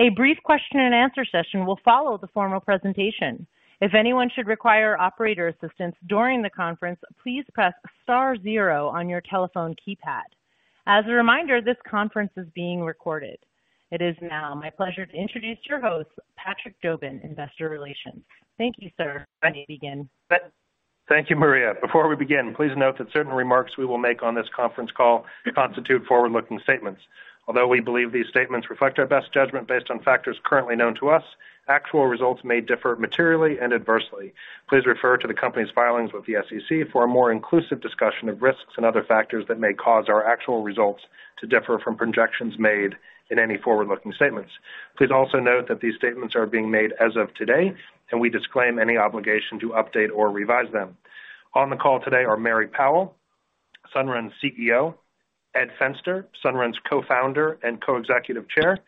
A brief question-and-answer session will follow the formal presentation. If anyone should require operator assistance during the conference, please press star zero on your telephone keypad. As a reminder, this conference is being recorded. It is now my pleasure to introduce your host, Patrick Jobin, Investor Relations. Thank you, sir. You may begin. Thank you, Maria. Before we begin, please note that certain remarks we will make on this conference call constitute forward-looking statements. Although we believe these statements reflect our best judgment based on factors currently known to us, actual results may differ materially and adversely. Please refer to the company's filings with the SEC for a more inclusive discussion of risks and other factors that may cause our actual results to differ from projections made in any forward-looking statements. Please also note that these statements are being made as of today, and we disclaim any obligation to update or revise them. On the call today are Mary Powell, Sunrun's CEO, Ed Fenster, Sunrun's Co-Founder and Co-Executive Chair,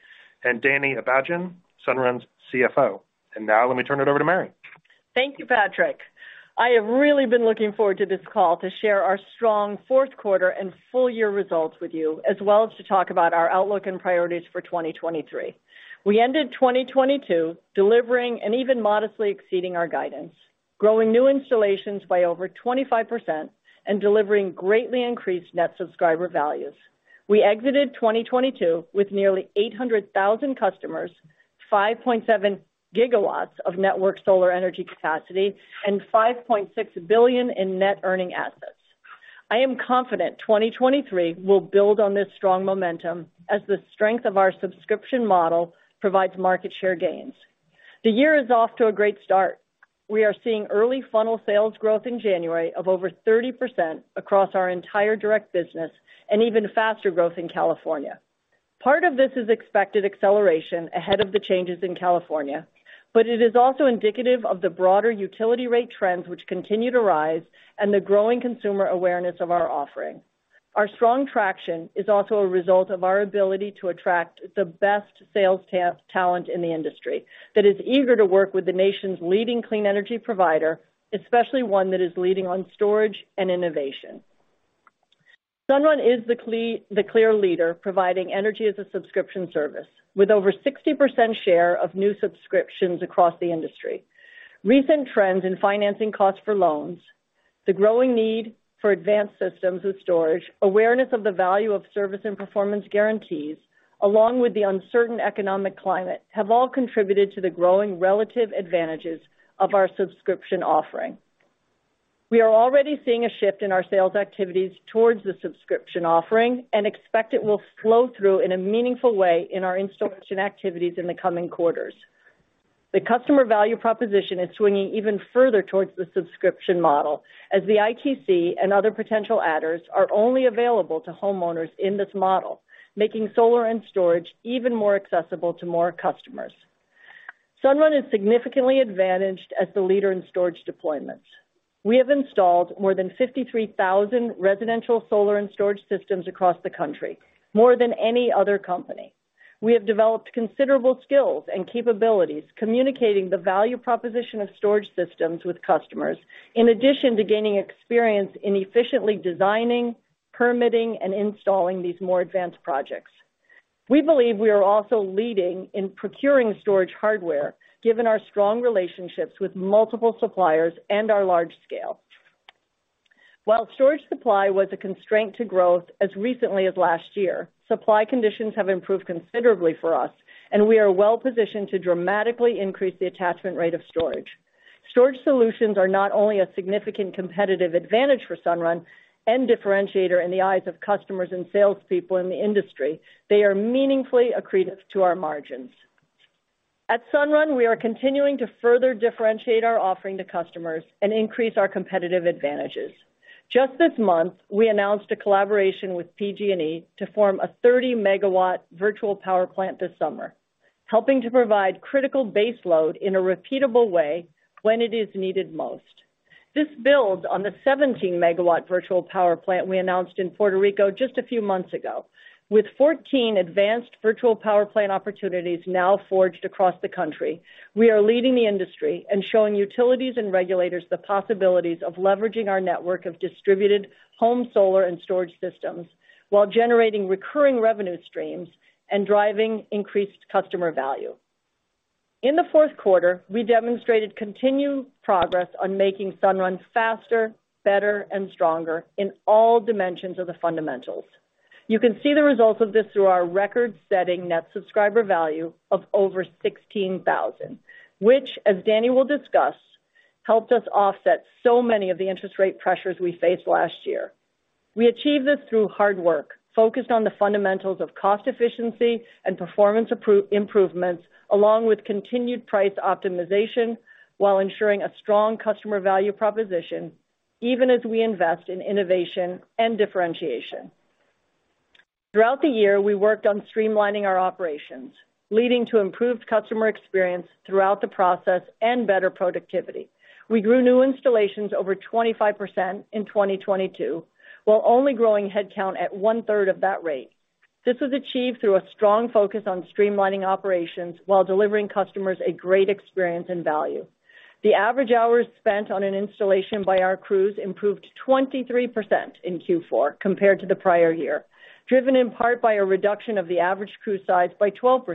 and Danny Abajian, Sunrun's CFO. Now let me turn it over to Mary. Thank you, Patrick. I have really been looking forward to this call to share our strong fourth quarter and full year results with you, as well as to talk about our outlook and priorities for 2023. We ended 2022 delivering and even modestly exceeding our guidance, growing new installations by over 25% and delivering greatly increased Net Subscriber Values. We exited 2022 with nearly 800,000 customers, 5.7 GW of network solar energy capacity, and $5.6 billion in Net Earning Assets. I am confident 2023 will build on this strong momentum as the strength of our subscription model provides market share gains. The year is off to a great start. We are seeing early funnel sales growth in January of over 30% across our entire direct business and even faster growth in California. Part of this is expected acceleration ahead of the changes in California, but it is also indicative of the broader utility rate trends which continue to rise and the growing consumer awareness of our offering. Our strong traction is also a result of our ability to attract the best sales talent in the industry that is eager to work with the nation's leading clean energy provider, especially one that is leading on storage and innovation. Sunrun is the clear leader providing energy as a subscription service with over 60% share of new subscriptions across the industry. Recent trends in financing costs for loans, the growing need for advanced systems with storage, awareness of the value of service and performance guarantees, along with the uncertain economic climate, have all contributed to the growing relative advantages of our subscription offering. We are already seeing a shift in our sales activities towards the subscription offering and expect it will flow through in a meaningful way in our installation activities in the coming quarters. The customer value proposition is swinging even further towards the subscription model as the ITC and other potential adders are only available to homeowners in this model, making solar and storage even more accessible to more customers. Sunrun is significantly advantaged as the leader in storage deployments. We have installed more than 53,000 residential solar and storage systems across the country, more than any other company. We have developed considerable skills and capabilities communicating the value proposition of storage systems with customers, in addition to gaining experience in efficiently designing, permitting, and installing these more advanced projects. We believe we are also leading in procuring storage hardware, given our strong relationships with multiple suppliers and our large scale. While storage supply was a constraint to growth as recently as last year, supply conditions have improved considerably for us, and we are well positioned to dramatically increase the attachment rate of storage. Storage solutions are not only a significant competitive advantage for Sunrun and differentiator in the eyes of customers and salespeople in the industry, they are meaningfully accretive to our margins. At Sunrun, we are continuing to further differentiate our offering to customers and increase our competitive advantages. Just this month, we announced a collaboration with PG&E to form a 30 MW Virtual Power Plant this summer, helping to provide critical base load in a repeatable way when it is needed most. This builds on the 17 MW Virtual Power Plant we announced in Puerto Rico just a few months ago. With 14 advanced Virtual Power Plant opportunities now forged across the country, we are leading the industry and showing utilities and regulators the possibilities of leveraging our network of distributed home solar and storage systems while generating recurring revenue streams and driving increased customer value. In the fourth quarter, we demonstrated continued progress on making Sunrun faster, better, and stronger in all dimensions of the fundamentals. You can see the results of this through our record-setting Net Subscriber Value of over $16,000, which, as Danny will discuss, helped us offset so many of the interest rate pressures we faced last year. We achieved this through hard work focused on the fundamentals of cost efficiency and performance improvements along with continued price optimization while ensuring a strong customer value proposition even as we invest in innovation and differentiation. Throughout the year, we worked on streamlining our operations, leading to improved customer experience throughout the process and better productivity. We grew new installations over 25% in 2022, while only growing headcount at 1/3 of that rate. This was achieved through a strong focus on streamlining operations while delivering customers a great experience and value. The average hours spent on an installation by our crews improved 23% in Q4 compared to the prior year, driven in part by a reduction of the average crew size by 12%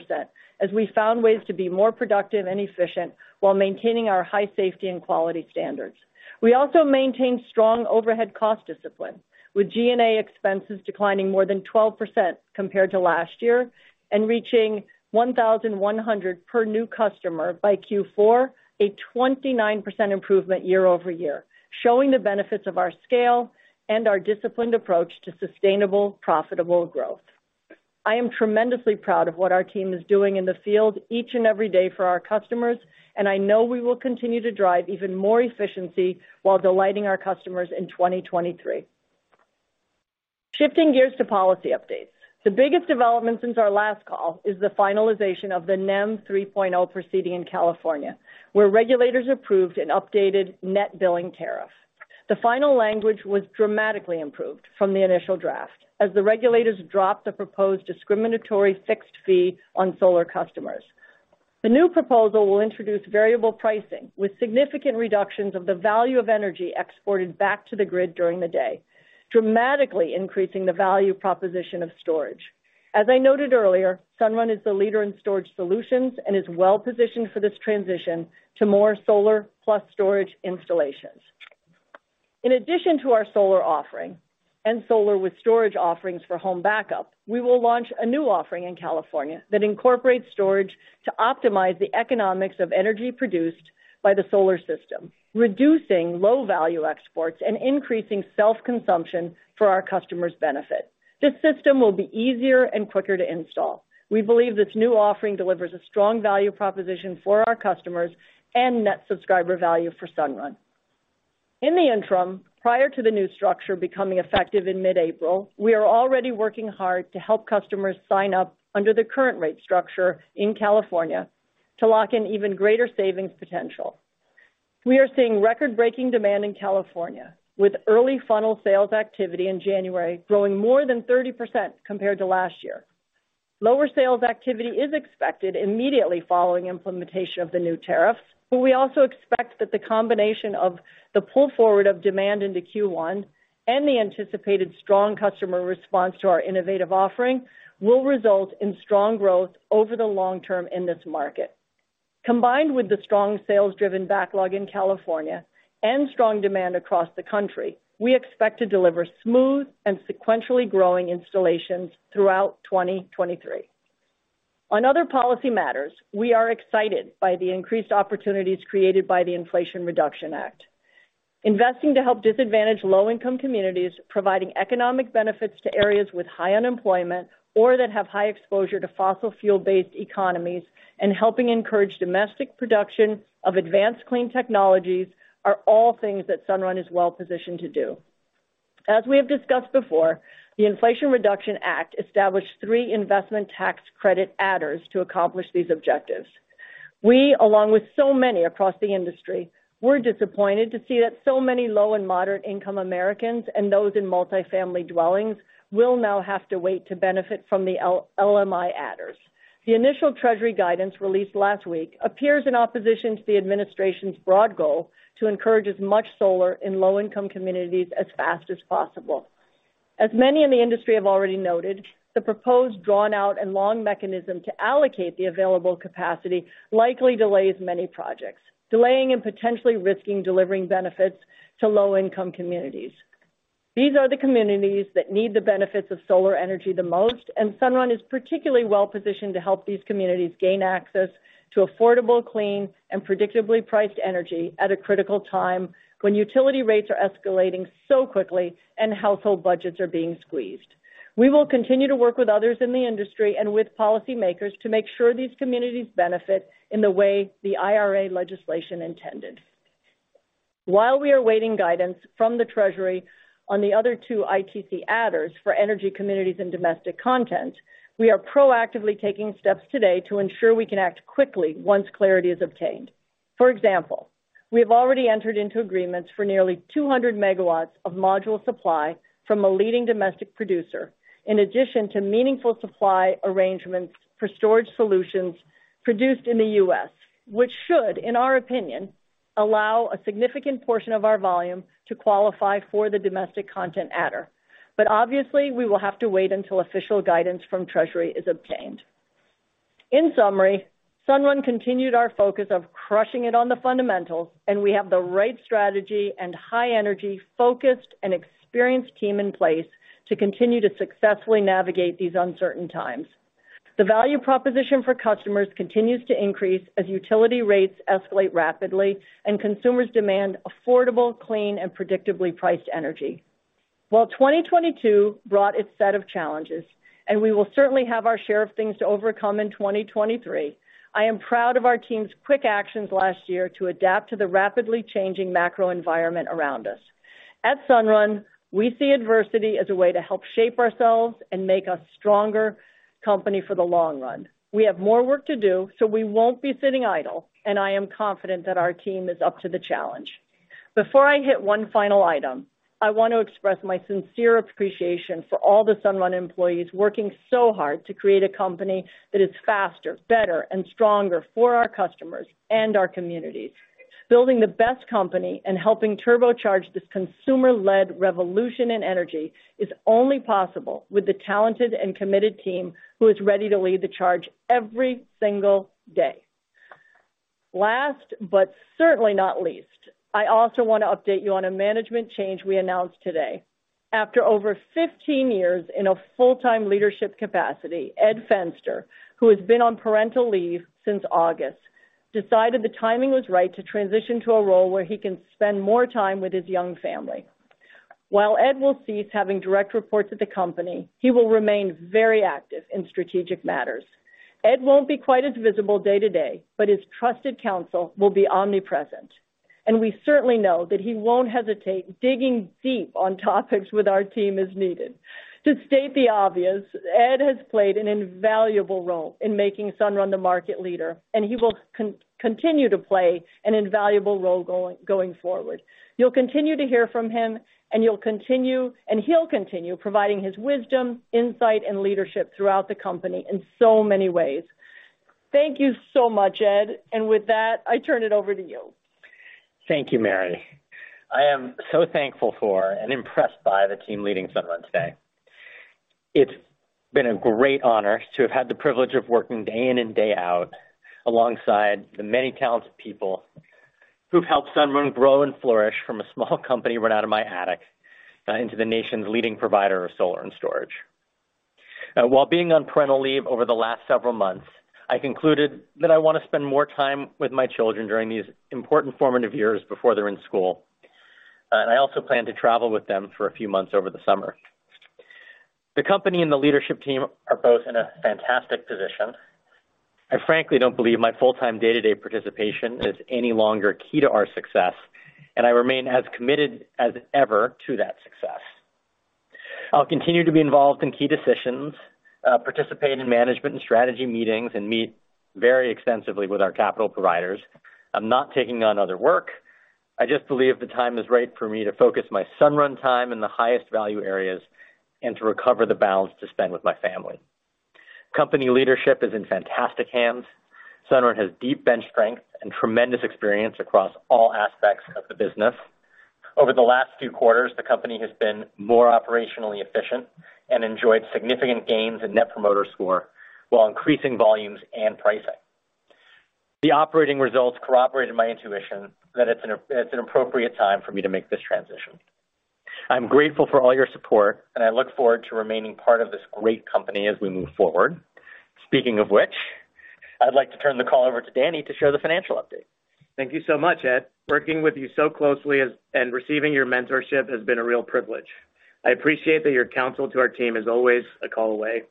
as we found ways to be more productive and efficient while maintaining our high safety and quality standards. We also maintained strong overhead cost discipline, with G&A expenses declining more than 12% compared to last year and reaching $1,100 per new customer by Q4, a 29% improvement year-over-year, showing the benefits of our scale and our disciplined approach to sustainable, profitable growth. I am tremendously proud of what our team is doing in the field each and every day for our customers, and I know we will continue to drive even more efficiency while delighting our customers in 2023. Shifting gears to policy updates. The biggest development since our last call is the finalization of the NEM 3.0 proceeding in California, where regulators approved an updated net billing tariff. The final language was dramatically improved from the initial draft as the regulators dropped the proposed discriminatory fixed fee on solar customers. The new proposal will introduce variable pricing with significant reductions of the value of energy exported back to the grid during the day, dramatically increasing the value proposition of storage. As I noted earlier, Sunrun is the leader in storage solutions and is well positioned for this transition to more solar plus storage installations. In addition to our solar offering and solar with storage offerings for home backup, we will launch a new offering in California that incorporates storage to optimize the economics of energy produced by the solar system, reducing low value exports and increasing self-consumption for our customers' benefit. This system will be easier and quicker to install. We believe this new offering delivers a strong value proposition for our customers and Net Subscriber Value for Sunrun. In the interim, prior to the new structure becoming effective in mid-April, we are already working hard to help customers sign up under the current rate structure in California to lock in even greater savings potential. We are seeing record-breaking demand in California, with early funnel sales activity in January growing more than 30% compared to last year. Lower sales activity is expected immediately following implementation of the new tariff, but we also expect that the combination of the pull forward of demand into Q1 and the anticipated strong customer response to our innovative offering will result in strong growth over the long term in this market. Combined with the strong sales-driven backlog in California and strong demand across the country, we expect to deliver smooth and sequentially growing installations throughout 2023. On other policy matters, we are excited by the increased opportunities created by the Inflation Reduction Act. Investing to help disadvantaged low-income communities, providing economic benefits to areas with high unemployment or that have high exposure to fossil fuel-based economies, and helping encourage domestic production of advanced clean technologies are all things that Sunrun is well-positioned to do. As we have discussed before, the Inflation Reduction Act established three investment tax credit adders to accomplish these objectives. We, along with so many across the industry, were disappointed to see that so many low and moderate-income Americans and those in multifamily dwellings will now have to wait to benefit from the LMI adders. The initial Treasury guidance released last week appears in opposition to the administration's broad goal to encourage as much solar in low-income communities as fast as possible. As many in the industry have already noted, the proposed drawn-out and long mechanism to allocate the available capacity likely delays many projects, delaying and potentially risking delivering benefits to low-income communities. These are the communities that need the benefits of solar energy the most, and Sunrun is particularly well-positioned to help these communities gain access to affordable, clean, and predictably priced energy at a critical time when utility rates are escalating so quickly and household budgets are being squeezed. We will continue to work with others in the industry and with policymakers to make sure these communities benefit in the way the IRA legislation intended. While we are waiting guidance from the Treasury on the other two ITC adders for energy communities and domestic content, we are proactively taking steps today to ensure we can act quickly once clarity is obtained. For example, we have already entered into agreements for nearly 200 MW of module supply from a leading domestic producer, in addition to meaningful supply arrangements for storage solutions produced in the U.S., which should, in our opinion, allow a significant portion of our volume to qualify for the domestic content adder. Obviously, we will have to wait until official guidance from Treasury is obtained. In summary, Sunrun continued our focus of crushing it on the fundamentals, and we have the right strategy and high energy, focused, and experienced team in place to continue to successfully navigate these uncertain times. The value proposition for customers continues to increase as utility rates escalate rapidly and consumers demand affordable, clean, and predictably priced energy. While 2022 brought its set of challenges, and we will certainly have our share of things to overcome in 2023, I am proud of our team's quick actions last year to adapt to the rapidly changing macro environment around us. At Sunrun, we see adversity as a way to help shape ourselves and make us a stronger company for the long run. We have more work to do, so we won't be sitting idle, and I am confident that our team is up to the challenge. Before I hit one final item, I want to express my sincere appreciation for all the Sunrun employees working so hard to create a company that is faster, better, and stronger for our customers and our communities. Building the best company and helping turbocharge this consumer-led revolution in energy is only possible with the talented and committed team who is ready to lead the charge every single day. Last but certainly not least, I also wanna update you on a management change we announced today. After over 15 years in a full-time leadership capacity, Ed Fenster, who has been on parental leave since August, decided the timing was right to transition to a role where he can spend more time with his young family. While Ed will cease having direct reports at the company, he will remain very active in strategic matters. Ed won't be quite as visible day-to-day, but his trusted counsel will be omnipresent, and we certainly know that he won't hesitate digging deep on topics with our team as needed. To state the obvious, Ed has played an invaluable role in making Sunrun the market leader. He will continue to play an invaluable role going forward. You'll continue to hear from him. He'll continue providing his wisdom, insight, and leadership throughout the company in so many ways. Thank you so much, Ed. With that, I turn it over to you. Thank you, Mary. I am so thankful for and impressed by the team leading Sunrun today. It's been a great honor to have had the privilege of working day in and day out alongside the many talented people who've helped Sunrun grow and flourish from a small company run out of my attic, into the nation's leading provider of solar and storage. While being on parental leave over the last several months, I concluded that I wanna spend more time with my children during these important formative years before they're in school, and I also plan to travel with them for a few months over the summer. The company and the leadership team are both in a fantastic position. I frankly don't believe my full-time day-to-day participation is any longer key to our success, and I remain as committed as ever to that success. I'll continue to be involved in key decisions, participate in management and strategy meetings, and meet very extensively with our capital providers. I'm not taking on other work. I just believe the time is right for me to focus my Sunrun time in the highest value areas and to recover the balance to spend with my family. Company leadership is in fantastic hands. Sunrun has deep bench strength and tremendous experience across all aspects of the business. Over the last few quarters, the company has been more operationally efficient and enjoyed significant gains in Net Promoter Score while increasing volumes and pricing. The operating results corroborated my intuition that it's an appropriate time for me to make this transition. I'm grateful for all your support, and I look forward to remaining part of this great company as we move forward. Speaking of which, I'd like to turn the call over to Danny to share the financial update. Thank you so much, Ed. Working with you so closely as and receiving your mentorship has been a real privilege. I appreciate that your counsel to our team is always a call away.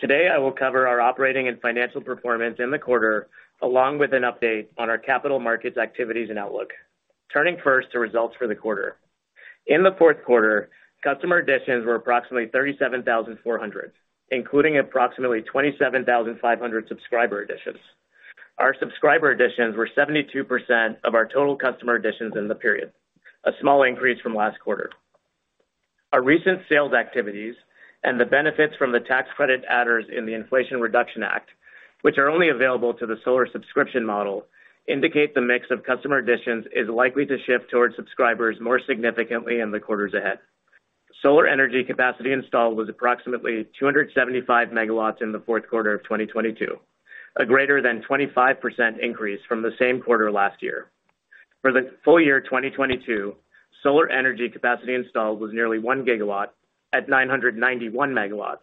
Today, I will cover our operating and financial performance in the quarter, along with an update on our capital markets activities and outlook. Turning first to results for the quarter. In the fourth quarter, customer additions were approximately 37,400, including approximately 27,500 subscriber additions. Our subscriber additions were 72% of our total customer additions in the period, a small increase from last quarter. Our recent sales activities and the benefits from the tax credit adders in the Inflation Reduction Act, which are only available to the solar subscription model, indicate the mix of customer additions is likely to shift towards subscribers more significantly in the quarters ahead. Solar energy capacity installed was approximately 275 MW in the fourth quarter of 2022, a greater than 25% increase from the same quarter last year. For the full year 2022, solar energy capacity installed was nearly 1 GW at 991 MW,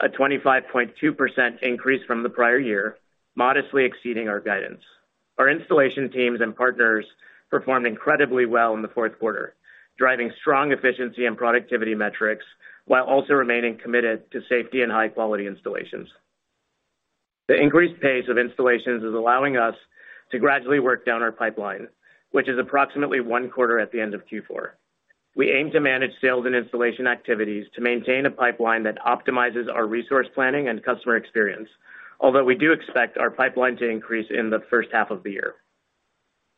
a 25.2% increase from the prior year, modestly exceeding our guidance. Our installation teams and partners performed incredibly well in the fourth quarter, driving strong efficiency and productivity metrics while also remaining committed to safety and high-quality installations. The increased pace of installations is allowing us to gradually work down our pipeline, which is approximately one quarter at the end of Q4. We aim to manage sales and installation activities to maintain a pipeline that optimizes our resource planning and customer experience. Although we do expect our pipeline to increase in the first half of the year.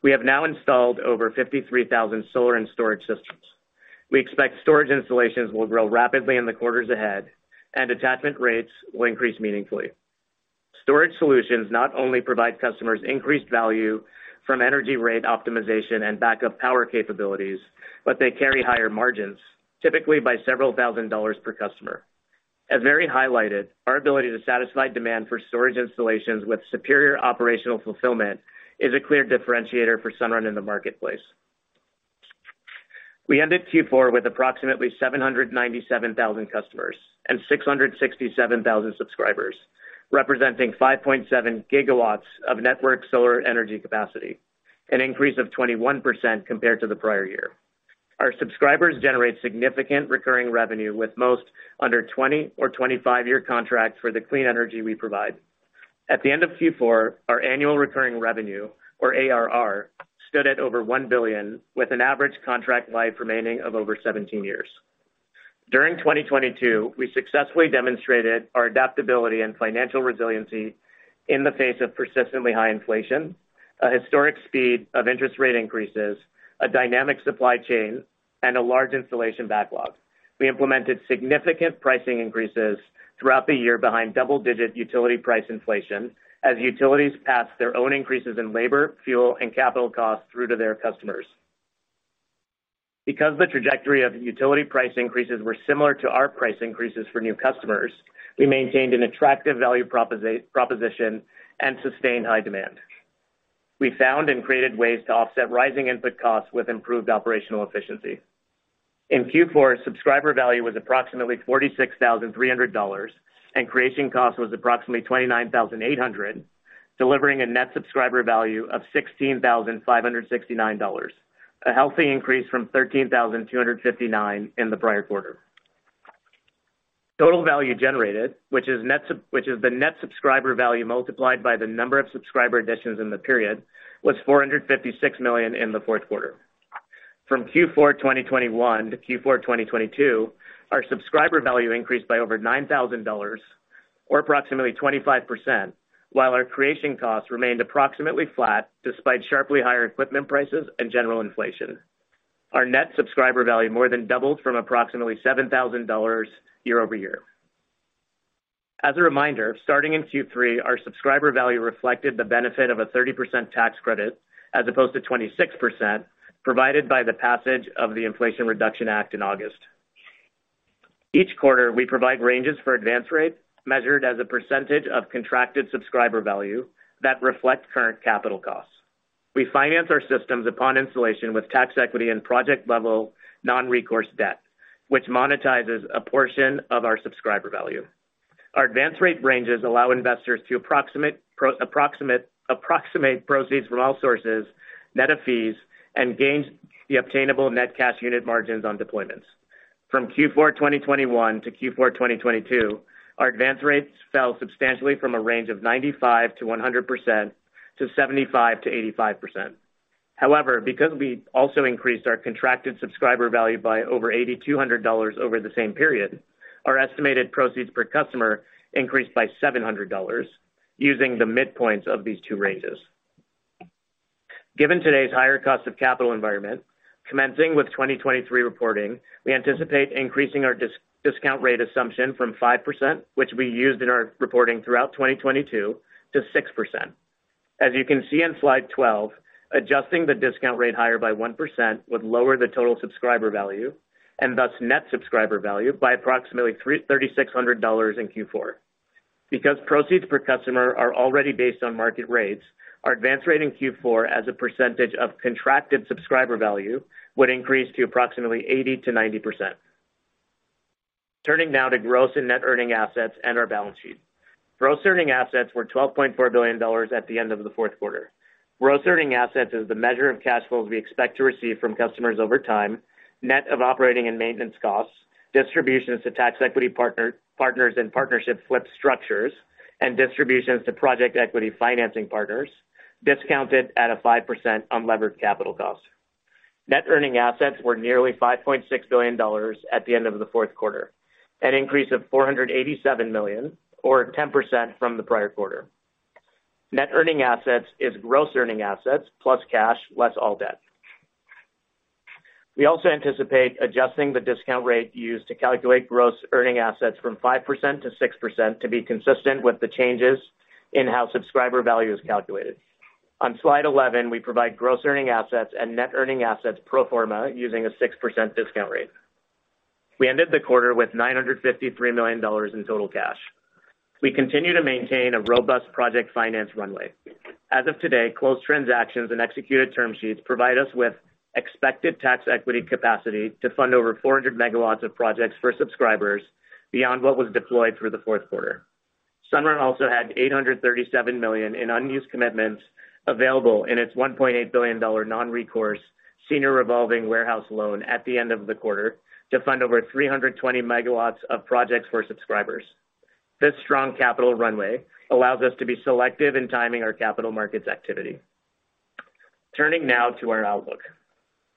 We have now installed over 53,000 solar and storage systems. We expect storage installations will grow rapidly in the quarters ahead and attachment rates will increase meaningfully. Storage solutions not only provide customers increased value from energy rate optimization and backup power capabilities, but they carry higher margins, typically by several thousand dollars per customer. As Mary highlighted, our ability to satisfy demand for storage installations with superior operational fulfillment is a clear differentiator for Sunrun in the marketplace. We ended Q4 with approximately 797,000 customers and 667,000 subscribers, representing 5.7 GW of network solar energy capacity, an increase of 21% compared to the prior year. Our subscribers generate significant recurring revenue with most under 20 or 25-year contracts for the clean energy we provide. At the end of Q4, our Annual Recurring Revenue, or ARR, stood at over $1 billion, with an average contract life remaining of over 17 years. During 2022, we successfully demonstrated our adaptability and financial resiliency in the face of persistently high inflation, a historic speed of interest rate increases, a dynamic supply chain, and a large installation backlog. We implemented significant pricing increases throughout the year behind double-digit utility price inflation as utilities passed their own increases in labor, fuel, and capital costs through to their customers. The trajectory of utility price increases were similar to our price increases for new customers, we maintained an attractive value proposition and sustained high demand. We found and created ways to offset rising input costs with improved operational efficiency. In Q4, Subscriber Value was approximately $46,300, and Creation Cost was approximately $29,800, delivering a Net Subscriber Value of $16,569, a healthy increase from $13,259 in the prior quarter. Total Value Generated, which is the Net Subscriber Value multiplied by the number of subscriber additions in the period, was $456 million in the fourth quarter. From Q4 2021 to Q4 2022, our Subscriber Value increased by over $9,000 or approximately 25%, while our Creation Costs remained approximately flat despite sharply higher equipment prices and general inflation. Our Net Subscriber Value more than doubled from approximately $7,000 year-over-year. As a reminder, starting in Q3, our subscriber value reflected the benefit of a 30% tax credit as opposed to 26% provided by the passage of the Inflation Reduction Act in August. Each quarter, we provide ranges for advance rate measured as a percentage of contracted subscriber value that reflects current capital costs. We finance our systems upon installation with tax equity and project-level non-recourse debt, which monetizes a portion of our subscriber value. Our advance rate ranges allow investors to approximate proceeds from all sources, net of fees, and gains the obtainable net cash unit margins on deployments. From Q4 2021 to Q4 2022, our advance rates fell substantially from a range of 95%-100% to 75%-85%. However, because we also increased our contracted Subscriber Value by over $8,200 over the same period, our estimated proceeds per customer increased by $700 using the midpoints of these two ranges. Given today's higher cost of capital environment, commencing with 2023 reporting, we anticipate increasing our discount rate assumption from 5%, which we used in our reporting throughout 2022, to 6%. As you can see on slide 12, adjusting the discount rate higher by 1% would lower the total Subscriber Value, and thus Net Subscriber Value by approximately $3,600 in Q4. Because proceeds per customer are already based on market rates, our advance rate in Q4 as a percentage of contracted Subscriber Value would increase to approximately 80%-90%. Turning now to Gross and Net Earning Assets and our balance sheet. Gross Earning Assets were $12.4 billion at the end of the fourth quarter. Gross Earning Assets is the measure of cash flows we expect to receive from customers over time, net of operating and maintenance costs, distributions to tax equity partners in partnership flip structures, and distributions to project equity financing partners discounted at a 5% unlevered capital cost. Net Earning Assets were nearly $5.6 billion at the end of the fourth quarter, an increase of $487 million or 10% from the prior quarter. Net Earning Assets is Gross Earning Assets, plus cash, less all debt. We also anticipate adjusting the discount rate used to calculate Gross Earning Assets from 5%-6% to be consistent with the changes in how Subscriber Value is calculated. On slide 11, we provide Gross Earning Assets and Net Earning Assets pro forma using a 6% discount rate. We ended the quarter with $953 million in total cash. We continue to maintain a robust project finance runway. As of today, closed transactions and executed term sheets provide us with expected tax equity capacity to fund over 400 MW of projects for subscribers beyond what was deployed through the fourth quarter. Sunrun also had $837 million in unused commitments available in its $1.8 billion non-recourse senior revolving warehouse loan at the end of the quarter to fund over 320 MW of projects for subscribers. This strong capital runway allows us to be selective in timing our capital markets activity. Turning now to our outlook.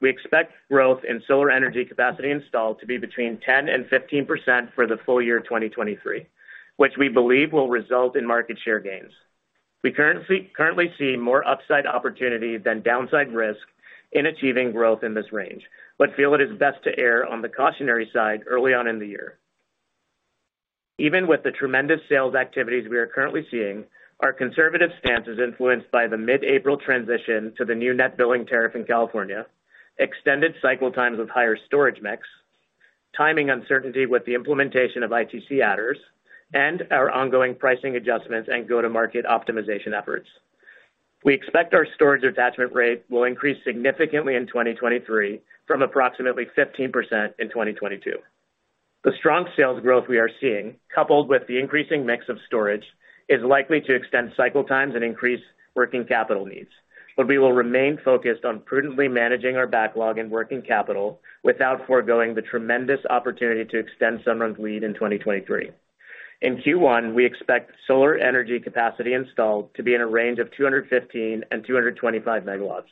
We expect growth in solar energy capacity installed to be between 10% and 15% for the full year 2023, which we believe will result in market share gains. We currently see more upside opportunity than downside risk in achieving growth in this range. Feel it is best to err on the cautionary side early on in the year. Even with the tremendous sales activities we are currently seeing, our conservative stance is influenced by the mid-April transition to the new net billing tariff in California, extended cycle times with higher storage mix, timing uncertainty with the implementation of ITC adders, and our ongoing pricing adjustments and go-to-market optimization efforts. We expect our storage attachment rate will increase significantly in 2023 from approximately 15% in 2022. The strong sales growth we are seeing, coupled with the increasing mix of storage, is likely to extend cycle times and increase working capital needs. We will remain focused on prudently managing our backlog and working capital without foregoing the tremendous opportunity to extend Sunrun's lead in 2023. In Q1, we expect solar energy capacity installed to be in a range of 215 MW and 225 MW.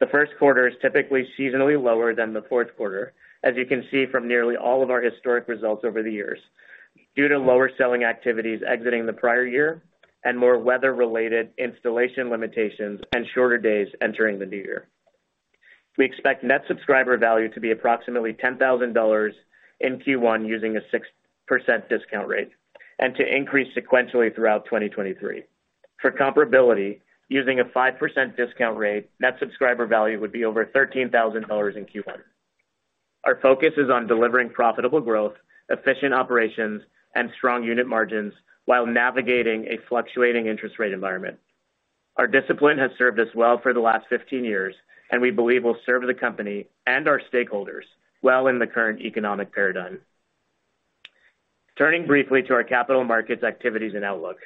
The first quarter is typically seasonally lower than the fourth quarter, as you can see from nearly all of our historic results over the years, due to lower selling activities exiting the prior year and more weather-related installation limitations and shorter days entering the new year. We expect Net Subscriber Value to be approximately $10,000 in Q1 using a 6% discount rate, and to increase sequentially throughout 2023. For comparability, using a 5% discount rate, Net Subscriber Value would be over $13,000 in Q1. Our focus is on delivering profitable growth, efficient operations, and strong unit margins while navigating a fluctuating interest rate environment. Our discipline has served us well for the last 15 years, and we believe will serve the company and our stakeholders well in the current economic paradigm. Turning briefly to our capital markets activities and outlook.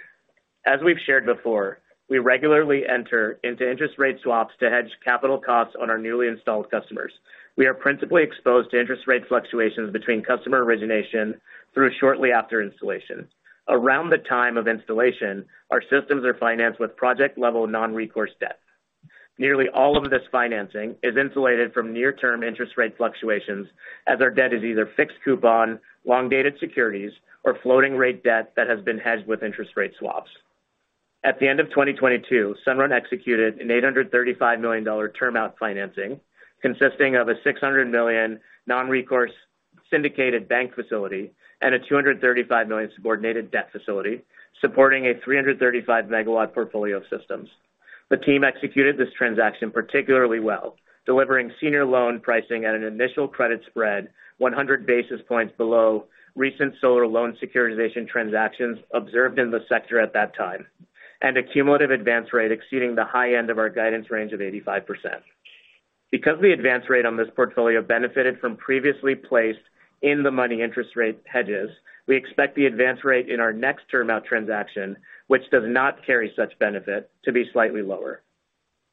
As we've shared before, we regularly enter into interest rate swaps to hedge capital costs on our newly installed customers. We are principally exposed to interest rate fluctuations between customer origination through shortly after installation. Around the time of installation, our systems are financed with project-level non-recourse debt. Nearly all of this financing is insulated from near-term interest rate fluctuations as our debt is either fixed coupon, long-dated securities, or floating rate debt that has been hedged with interest rate swaps. At the end of 2022, Sunrun executed an $835 million term out financing consisting of a $600 million non-recourse syndicated bank facility and a $235 million subordinated debt facility supporting a 335 MW portfolio of systems. The team executed this transaction particularly well, delivering senior loan pricing at an initial credit spread 100 basis points below recent solar loan securitization transactions observed in the sector at that time, and a cumulative advance rate exceeding the high end of our guidance range of 85%. The advance rate on this portfolio benefited from previously placed in-the-money interest rate hedges, we expect the advance rate in our next term out transaction, which does not carry such benefit, to be slightly lower.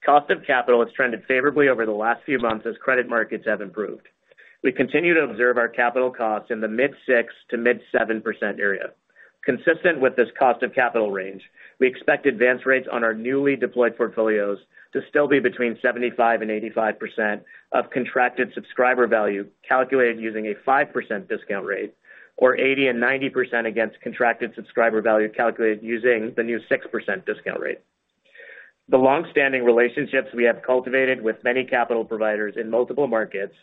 Cost of capital has trended favorably over the last few months as credit markets have improved. We continue to observe our capital costs in the mid 6% to mid 7% area. Consistent with this cost of capital range, we expect advance rates on our newly deployed portfolios to still be between 75% and 85% of contracted subscriber value calculated using a 5% discount rate or 80% and 90% against contracted subscriber value calculated using the new 6% discount rate. The longstanding relationships we have cultivated with many capital providers in multiple markets,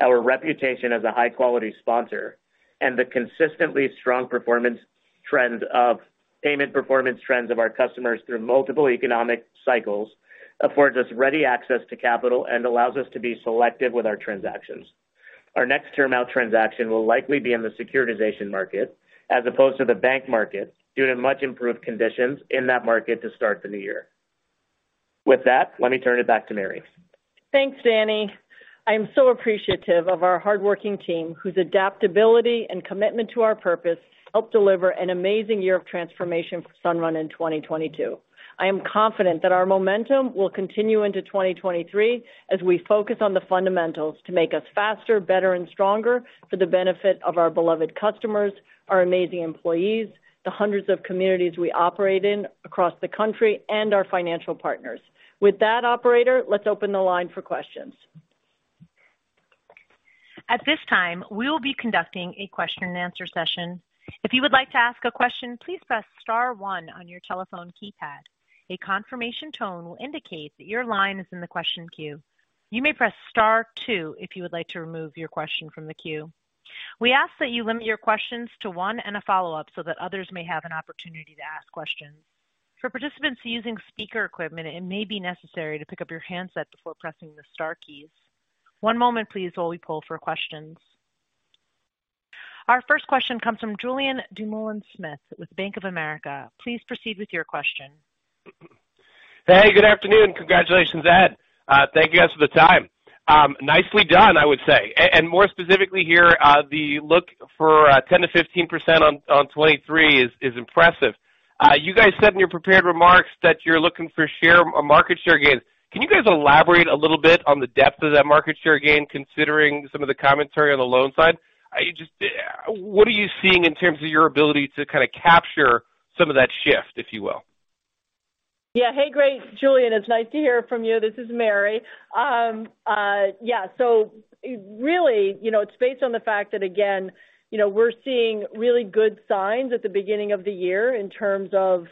our reputation as a high-quality sponsor, and the consistently strong payment performance trends of our customers through multiple economic cycles affords us ready access to capital and allows us to be selective with our transactions. Our next term out transaction will likely be in the securitization market as opposed to the bank market due to much improved conditions in that market to start the new year. Let me turn it back to Mary. Thanks, Danny. I am so appreciative of our hardworking team, whose adaptability and commitment to our purpose helped deliver an amazing year of transformation for Sunrun in 2022. I am confident that our momentum will continue into 2023 as we focus on the fundamentals to make us faster, better, and stronger for the benefit of our beloved customers, our amazing employees, the hundreds of communities we operate in across the country, and our financial partners. With that, Operator, let's open the line for questions. At this time, we will be conducting a question-and-answer session. If you would like to ask a question, please press star one on your telephone keypad. A confirmation tone will indicate that your line is in the question queue. You may press star two if you would like to remove your question from the queue. We ask that you limit your questions to one and a follow-up so that others may have an opportunity to ask questions. For participants using speaker equipment, it may be necessary to pick up your handset before pressing the star keys. One moment please while we poll for questions. Our first question comes from Julien Dumoulin-Smith with Bank of America. Please proceed with your question. Hey, good afternoon. Congratulations, Ed. Thank you guys for the time. Nicely done, I would say. More specifically here, the look for 10%-15% on 2023 is impressive. You guys said in your prepared remarks that you're looking for market share gains. Can you guys elaborate a little bit on the depth of that market share gain, considering some of the commentary on the loan side? What are you seeing in terms of your ability to kinda capture some of that shift, if you will? Yeah. Hey, great, Julien. It's nice to hear from you. This is Mary. Yeah. Really, you know, it's based on the fact that, again, you know, we're seeing really good signs at the beginning of the year in terms of,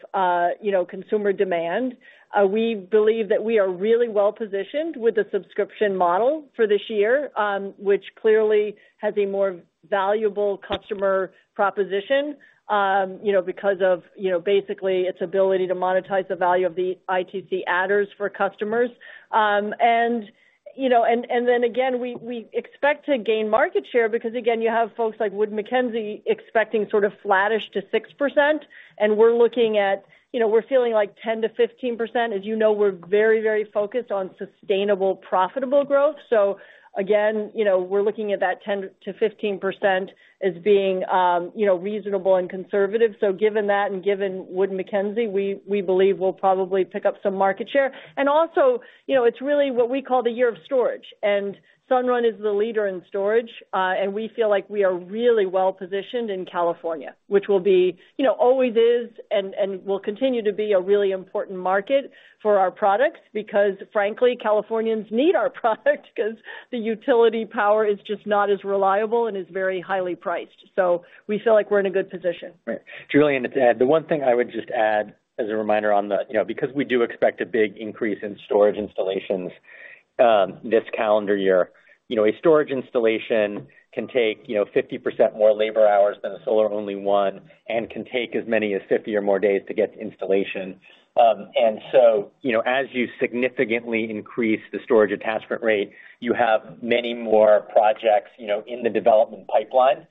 you know, consumer demand. We believe that we are really well-positioned with the subscription model for this year, which clearly has a more valuable customer proposition, you know, because of, you know, basically its ability to monetize the value of the ITC adders for customers. You know, and then again, we expect to gain market share because again, you have folks like Wood Mackenzie expecting sort of flattish to 6%, and we're looking at, you know, we're feeling like 10%-15%. As you know, we're very, very focused on sustainable, profitable growth. Again, you know, we're looking at that 10%-15% as being, you know, reasonable and conservative. Given that and given Wood Mackenzie, we believe we'll probably pick up some market share. Also, you know, it's really what we call the year of storage. Sunrun is the leader in storage, and we feel like we are really well-positioned in California, which will be, you know, always is and will continue to be a really important market for our products because frankly, Californians need our product because the utility power is just not as reliable and is very highly priced. We feel like we're in a good position. Right. Julien, it's Ed. The one thing I would just add as a reminder on the, you know, because we do expect a big increase in storage installations, this calendar year, you know, a storage installation can take, you know, 50% more labor hours than a solar only one and can take as many as 50 or more days to get to installation. You know, as you significantly increase the storage attachment rate, you have many more projects, you know, in the development pipeline.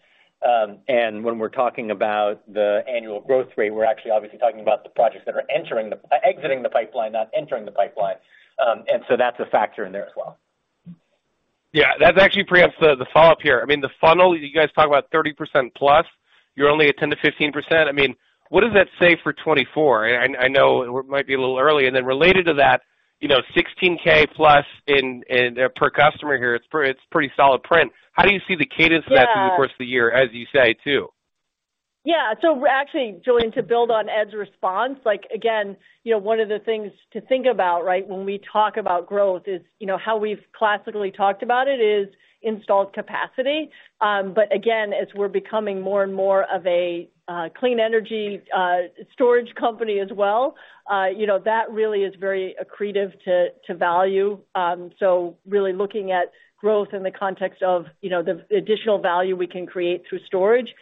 When we're talking about the annual growth rate, we're actually obviously talking about the projects that are entering the exiting the pipeline, not entering the pipeline. That's a factor in there as well. Yeah, that actually preempts the follow-up here. I mean, the funnel, you guys talk about 30%+, you're only at 10%-15%. I mean, what does that say for 2024? I know it might be a little early. Related to that, you know, $16,000+ in per customer here, it's pretty solid print. How do you see the cadence of that through the course of the year, as you say, too? Yeah. Actually, Julien, to build on Ed's response, like, again, you know, one of the things to think about, right, when we talk about growth is, you know, how we've classically talked about it is installed capacity. Again, as we're becoming more and more of a clean energy storage company as well, you know, that really is very accretive to value. Really looking at growth in the context of, you know, the additional value we can create through storage is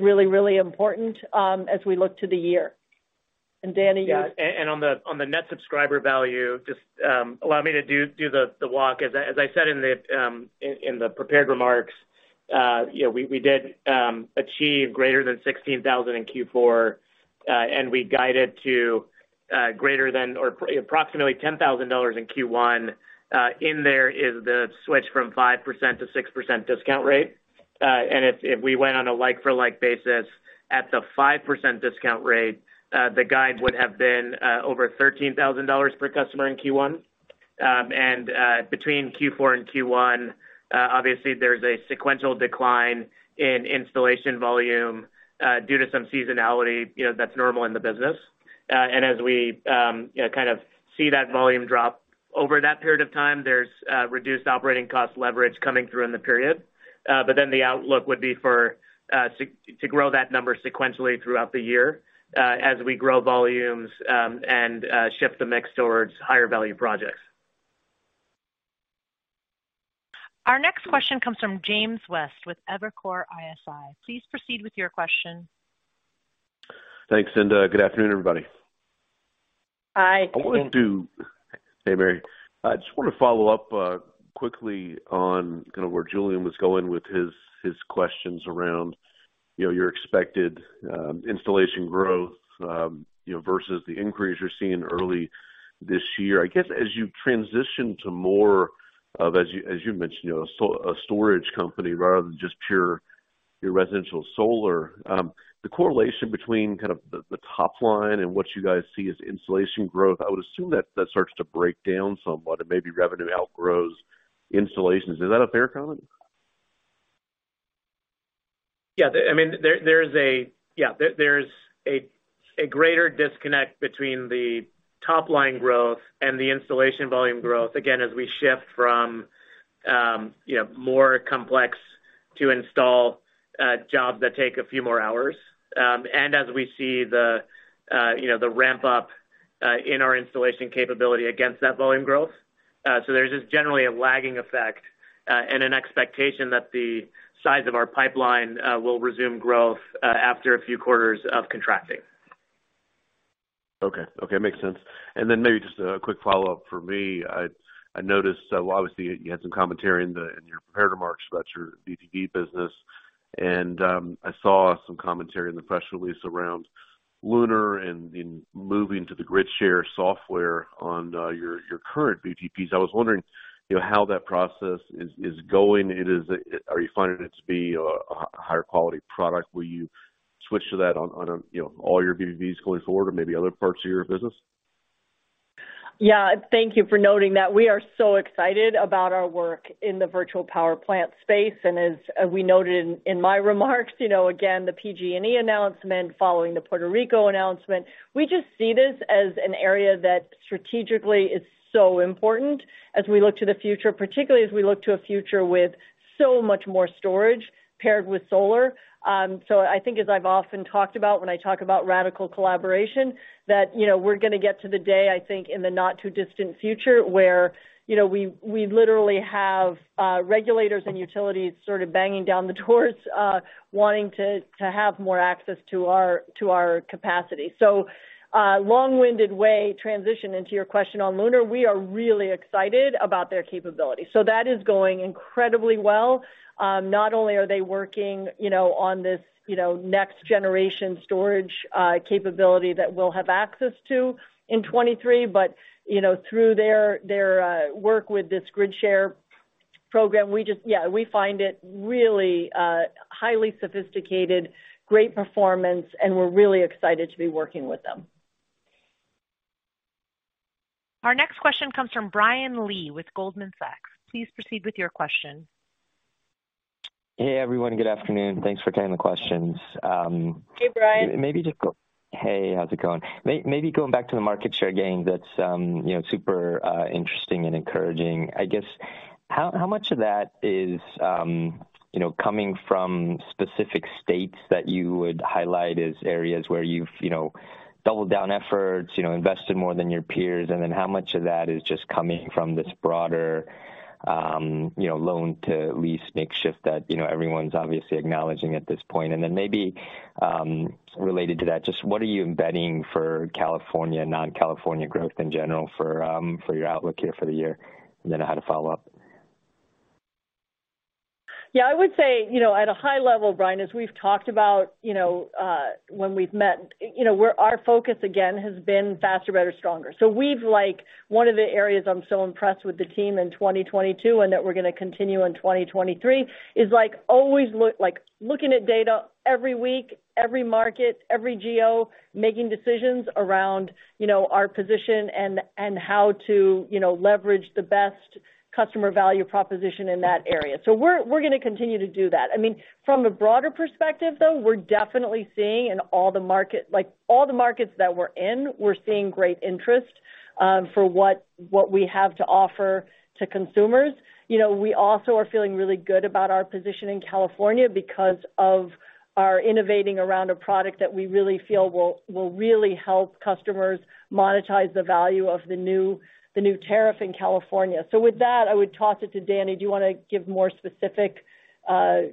really important, as we look to the year. On the Net Subscriber Value, just, allow me to do the walk. As I said in the prepared remarks, you know, we did achieve greater than $16,000 in Q4, and we guided to greater than or approximately $10,000 in Q1. In there is the switch from 5%-6% discount rate. And if we went on a like for like basis at the 5% discount rate, the guide would have been over $13,000 per customer in Q1. And between Q4 and Q1, obviously there's a sequential decline in installation volume, due to some seasonality, you know, that's normal in the business. As we, kind of see that volume drop over that period of time, there's reduced operating cost leverage coming through in the period. The outlook would be for to grow that number sequentially throughout the year, as we grow volumes, and shift the mix towards higher value projects. Our next question comes from James West with Evercore ISI. Please proceed with your question. Thanks. Good afternoon, everybody. Hi, James. Hey, Mary. I just want to follow up quickly on kind of where Julien was going with his questions around, you know, your expected installation growth, you know, versus the increase you're seeing early this year. I guess as you transition to more of, as you mentioned, you know, a storage company rather than just pure, your residential solar, the correlation between kind of the top line and what you guys see as installation growth, I would assume that that starts to break down somewhat and maybe revenue outgrows installations. Is that a fair comment? Yeah. I mean, there is a, yeah, there's a greater disconnect between the top line growth and the installation volume growth, again, as we shift from, you know, more complex to install jobs that take a few more hours, and as we see the you know, the ramp up in our installation capability against that volume growth. There's just generally a lagging effect and an expectation that the size of our pipeline will resume growth after a few quarters of contracting. Okay. Okay, makes sense. Maybe just a quick follow-up from me. I noticed, obviously you had some commentary in your prepared remarks about your DTP business, and I saw some commentary in the press release around Lunar and in moving to the Gridshare software on your current DTPs. I was wondering, you know, how that process is going. Are you finding it to be a higher quality product? Will you switch to that on a, you know, all your DTPs going forward or maybe other parts of your business? Yeah. Thank you for noting that. We are so excited about our work in the Virtual Power Plant space. As we noted in my remarks, you know, again, the PG&E announcement following the Puerto Rico announcement, we just see this as an area that strategically is so important as we look to the future, particularly as we look to a future with so much more storage paired with solar. I think as I've often talked about when I talk about radical collaboration, that, you know, we're gonna get to the day, I think, in the not too distant future, where, you know, we literally have regulators and utilities sort of banging down the doors, wanting to have more access to our capacity. Long-winded way transition into your question on Lunar. We are really excited about their capability. That is going incredibly well. Not only are they working, you know, on this, you know, next generation storage capability that we'll have access to in 2023, but, you know, through their work with this Gridshare program, we find it really highly sophisticated, great performance, and we're really excited to be working with them. Our next question comes from Brian Lee with Goldman Sachs. Please proceed with your question. Hey, everyone. Good afternoon. Thanks for taking the questions. Hey, Brian. Hey, how's it going? maybe going back to the market share gain that's, you know, super interesting and encouraging. How much of that is, you know, coming from specific states that you would highlight as areas where you've, you know, doubled down efforts, you know, invested more than your peers? How much of that is just coming from this broader, you know, loan to lease makeshift that, you know, everyone's obviously acknowledging at this point? Maybe, related to that, just what are you embedding for California, non-California growth in general for your outlook here for the year? I had a follow-up. Yeah, I would say, you know, at a high level, Brian, as we've talked about, you know, when we've met, you know, where our focus again has been faster, better, stronger. We've like one of the areas I'm so impressed with the team in 2022 and that we're gonna continue in 2023, is like always looking at data every week, every market, every geo, making decisions around, you know, our position and how to, you know, leverage the best customer value proposition in that area. We're, we're gonna continue to do that. I mean, from a broader perspective, though, we're definitely seeing in all the markets that we're in, we're seeing great interest, for what we have to offer to consumers. You know, we also are feeling really good about our position in California because of our innovating around a product that we really feel will really help customers monetize the value of the new tariff in California. With that, I would toss it to Danny. Do you wanna give more specific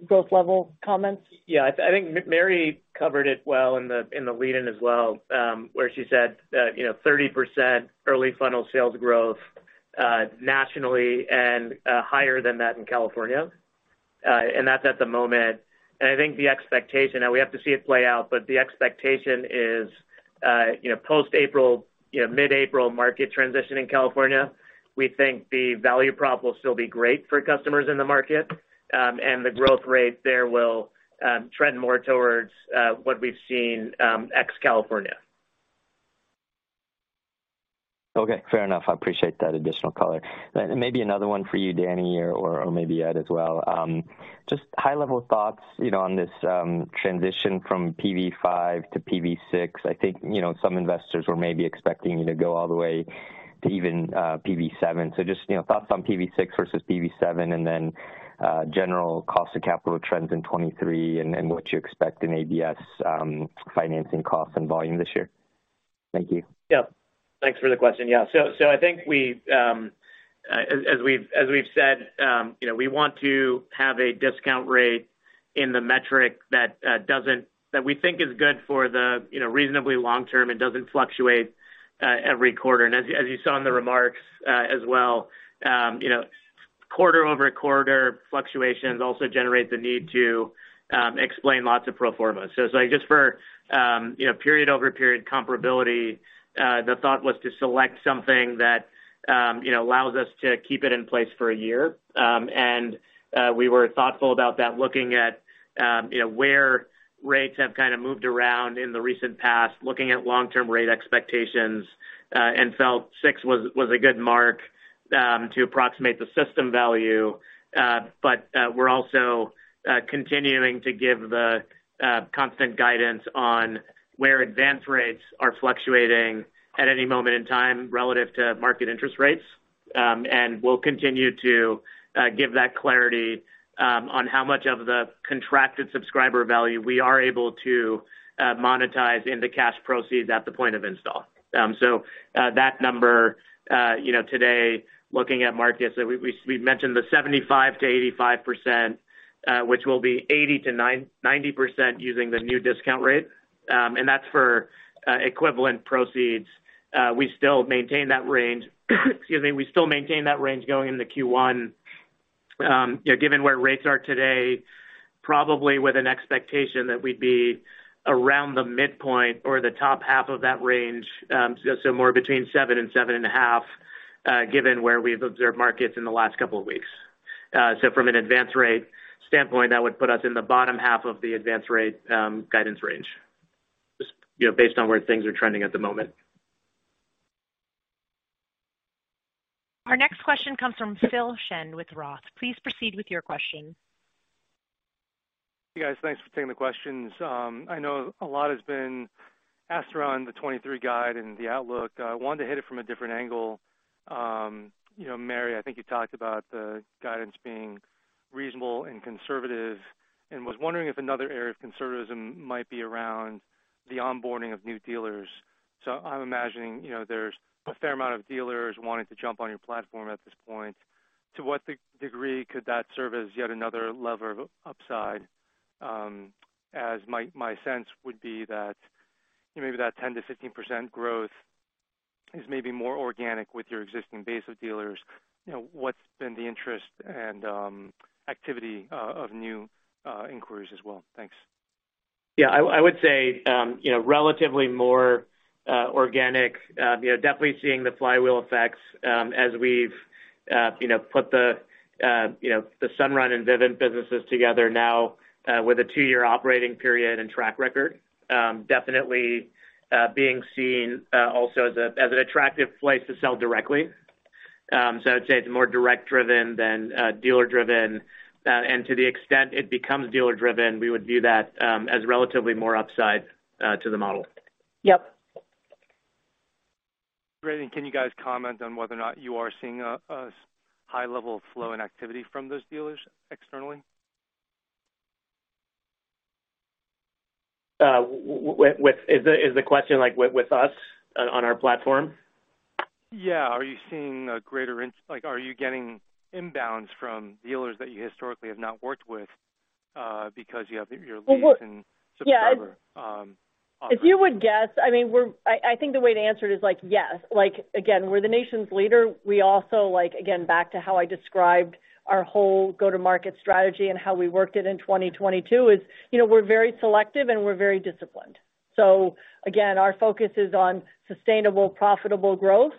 growth level comments? Yeah. I think Mary covered it well in the lead in as well, where she said that, you know, 30% early funnel sales growth nationally and higher than that in California. That's at the moment. I think the expectation, now we have to see it play out, but the expectation is, you know, post-April, you know, mid-April market transition in California, we think the value prop will still be great for customers in the market, and the growth rate there will trend more towards what we've seen ex-California. Okay, fair enough. I appreciate that additional color. Maybe another one for you, Danny, or maybe Ed as well. Just high-level thoughts, you know, on this transition from PV5 to PV6. I think, you know, some investors were maybe expecting you to go all the way to even PV7. Just, you know, thoughts on PV6 versus PV7, and then general cost of capital trends in 2023 and what you expect in ABS financing costs and volume this year. Thank you. Yeah. Thanks for the question. Yeah. I think we, as we've said, you know, we want to have a discount rate in the metric that we think is good for the, you know, reasonably long term and doesn't fluctuate every quarter. As you, as you saw in the remarks, as well, you know, quarter-over-quarter fluctuations also generate the need to explain lots of pro forma. It's like just for, you know, period-over-period comparability, the thought was to select something that, you know, allows us to keep it in place for a year. We were thoughtful about that, looking at, you know, where rates have kinda moved around in the recent past, looking at long-term rate expectations, and felt PV6 was a good mark to approximate the system value. We're also continuing to give the constant guidance on where advance rates are fluctuating at any moment in time relative to market interest rates. We'll continue to give that clarity on how much of the contracted Subscriber Value we are able to monetize into cash proceeds at the point of install. That number, you know, today, looking at markets, we've mentioned the 75%-85%, which will be 80%-90% using the new discount rate, and that's for equivalent proceeds. We still maintain that range. Excuse me. We still maintain that range going into Q1, you know, given where rates are today, probably with an expectation that we'd be around the midpoint or the top half of that range, so more between 7 and 7.5, given where we've observed markets in the last couple of weeks. From an advance rate standpoint, that would put us in the bottom half of the advance rate guidance range, just, you know, based on where things are trending at the moment. Our next question comes from Phil Shen with Roth Capital Partners. Please proceed with your question. Hey, guys. Thanks for taking the questions. I know a lot has been asked around the 2023 guide and the outlook. I wanted to hit it from a different angle. you know, Mary, I think you talked about the guidance being reasonable and conservative, and was wondering if another area of conservatism might be around the onboarding of new dealers. I'm imagining, you know, there's a fair amount of dealers wanting to jump on your platform at this point. To what degree could that serve as yet another lever of upside, as my sense would be that maybe that 10%-15% growth is maybe more organic with your existing base of dealers. You know, what's been the interest and activity of new inquiries as well? Thanks. Yeah, I would say, you know, relatively more organic. You know, definitely seeing the flywheel effects, as we've, you know, put the, you know, the Sunrun and Vivint businesses together now, with a two-year operating period and track record. Definitely, being seen also as a, as an attractive place to sell directly. So I'd say it's more direct-driven than dealer-driven. To the extent it becomes dealer-driven, we would view that as relatively more upside to the model. Yep. Great. Can you guys comment on whether or not you are seeing a high level of flow and activity from those dealers externally? Is the question like with us on our platform? Yeah. Like, are you getting inbounds from dealers that you historically have not worked with, because you have your lease and subscriber offering? If you would guess, I mean, I think the way to answer it is like, yes. Like, again, we're the nation's leader. We also like, again, back to how I described our whole go-to-market strategy and how we worked it in 2022 is, you know, we're very selective and we're very disciplined. Again, our focus is on sustainable, profitable growth.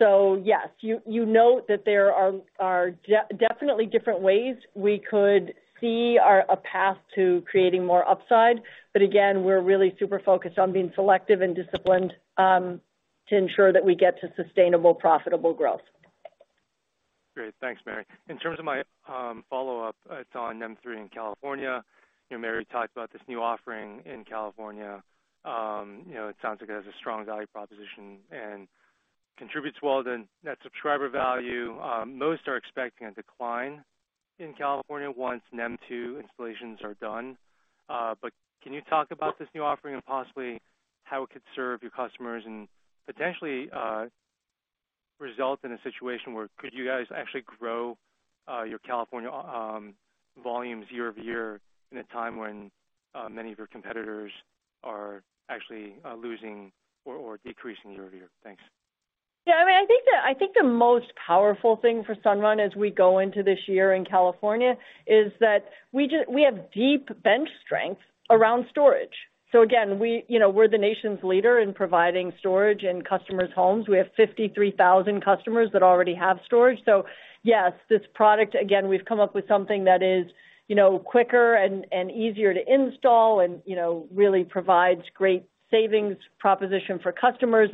Yes, you note that there are definitely different ways we could see a path to creating more upside. Again, we're really super focused on being selective and disciplined to ensure that we get to sustainable, profitable growth. Great. Thanks, Mary. In terms of my follow-up, it's on NEM 3.0 in California. You know, Mary talked about this new offering in California. You know, it sounds like it has a strong value proposition and contributes well to Net Subscriber Value. Most are expecting a decline in California once NEM 2.0 installations are done. But can you talk about this new offering and possibly how it could serve your customers and potentially result in a situation where could you guys actually grow your California volumes year-over-year in a time when many of your competitors are actually losing or decreasing year-over-year? Thanks. I mean, I think the most powerful thing for Sunrun as we go into this year in California is that we have deep bench strength around storage. Again, we, you know, we're the nation's leader in providing storage in customers' homes. We have 53,000 customers that already have storage. Yes, this product, again, we've come up with something that is, you know, quicker and easier to install and, you know, really provides great savings proposition for customers.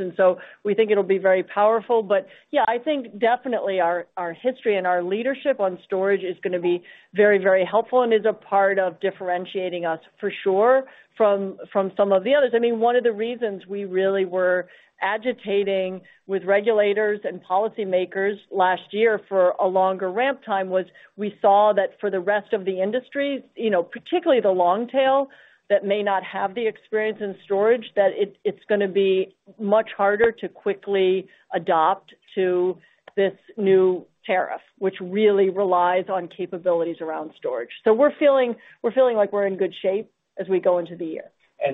We think it'll be very powerful. Yeah, I think definitely our history and our leadership on storage is gonna be very helpful and is a part of differentiating us for sure from some of the others. I mean, one of the reasons we really were agitating with regulators and policymakers last year for a longer ramp time was we saw that for the rest of the industry, you know, particularly the long tail that may not have the experience in storage, that it's gonna be much harder to quickly adopt to this new tariff, which really relies on capabilities around storage. We're feeling like we're in good shape as we go into the year.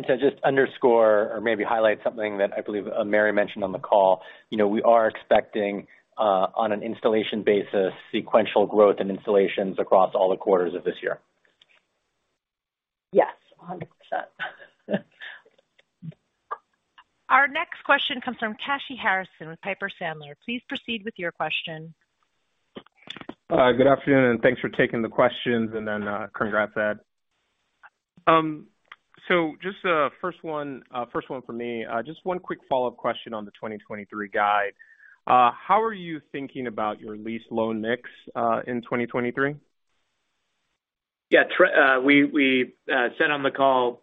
To just underscore or maybe highlight something that I believe, Mary mentioned on the call, you know, we are expecting, on an installation basis, sequential growth in installations across all the quarters of this year. Yes, 100%. Our next question comes from Kashy Harrison with Piper Sandler. Please proceed with your question. Good afternoon, and thanks for taking the questions. Congrats, Ed. First one from me, just one quick follow-up question on the 2023 guide. How are you thinking about your lease loan mix, in 2023? Yeah. We said on the call,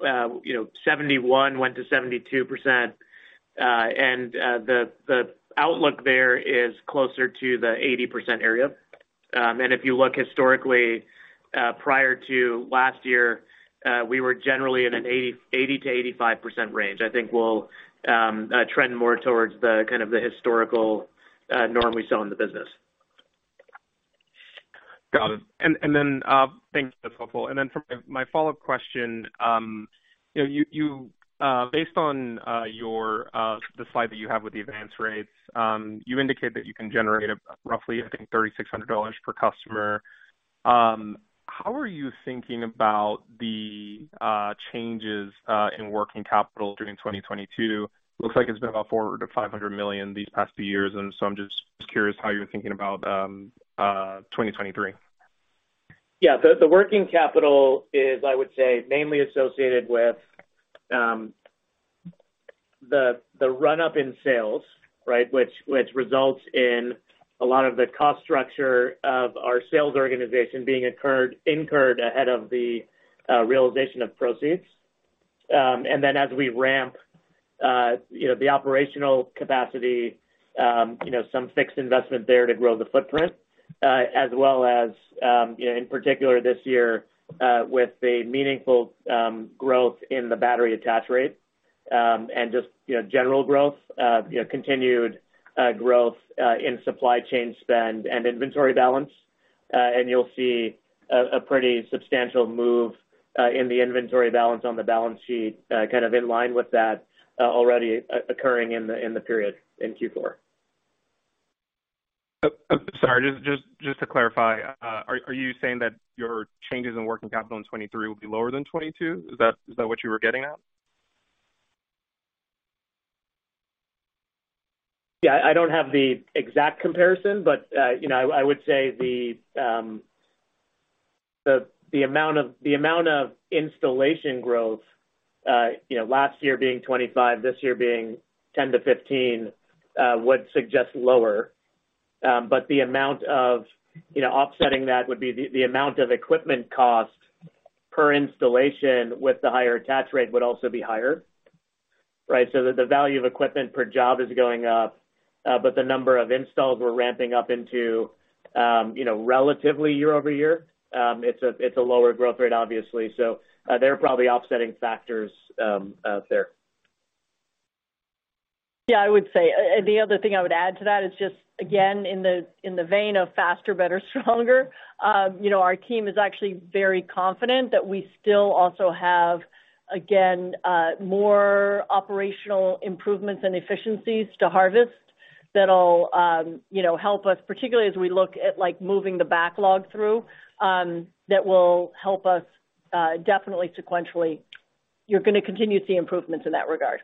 you know, 71% went to 72%. The outlook there is closer to the 80% area. If you look historically, prior to last year, we were generally in an 80%-85% range. I think we'll trend more towards the kind of the historical norm we saw in the business. Got it. Thanks. That's helpful. For my follow-up question, you know, you, based on, your, the slide that you have with the advance rates, you indicate that you can generate roughly, I think, $3,600 per customer. How are you thinking about the changes in working capital during 2022? Looks like it's been about $400 million-$500 million these past few years. I'm just curious how you're thinking about 2023. Yeah. The working capital is, I would say, mainly associated with the run-up in sales, right? Which results in a lot of the cost structure of our sales organization being incurred ahead of the realization of proceeds. Then as we ramp, you know, the operational capacity, you know, some fixed investment there to grow the footprint, as well as, you know, in particular this year, with a meaningful growth in the battery attach rate, and just, you know, general growth, you know, continued growth in supply chain spend and inventory balance. You'll see a pretty substantial move in the inventory balance on the balance sheet, kind of in line with that, already occurring in the period in Q4. Sorry, just to clarify, are you saying that your changes in working capital in 2023 will be lower than 2022? Is that what you were getting at? Yeah. I don't have the exact comparison, you know, I would say the amount of installation growth, you know, last year being 25%, this year being 10%-15%, would suggest lower. The amount of, you know, offsetting that would be the amount of equipment cost per installation with the higher attach rate would also be higher, right? The value of equipment per job is going up, but the number of installs we're ramping up into, you know, relatively year-over-year. It's a lower growth rate, obviously. They're probably offsetting factors out there. I would say, the other thing I would add to that is just, again, in the, in the vein of faster, better, stronger, you know, our team is actually very confident that we still also have, again, more operational improvements and efficiencies to harvest that'll, you know, help us, particularly as we look at, like, moving the backlog through, that will help us, definitely sequentially. You're gonna continue to see improvements in that regard.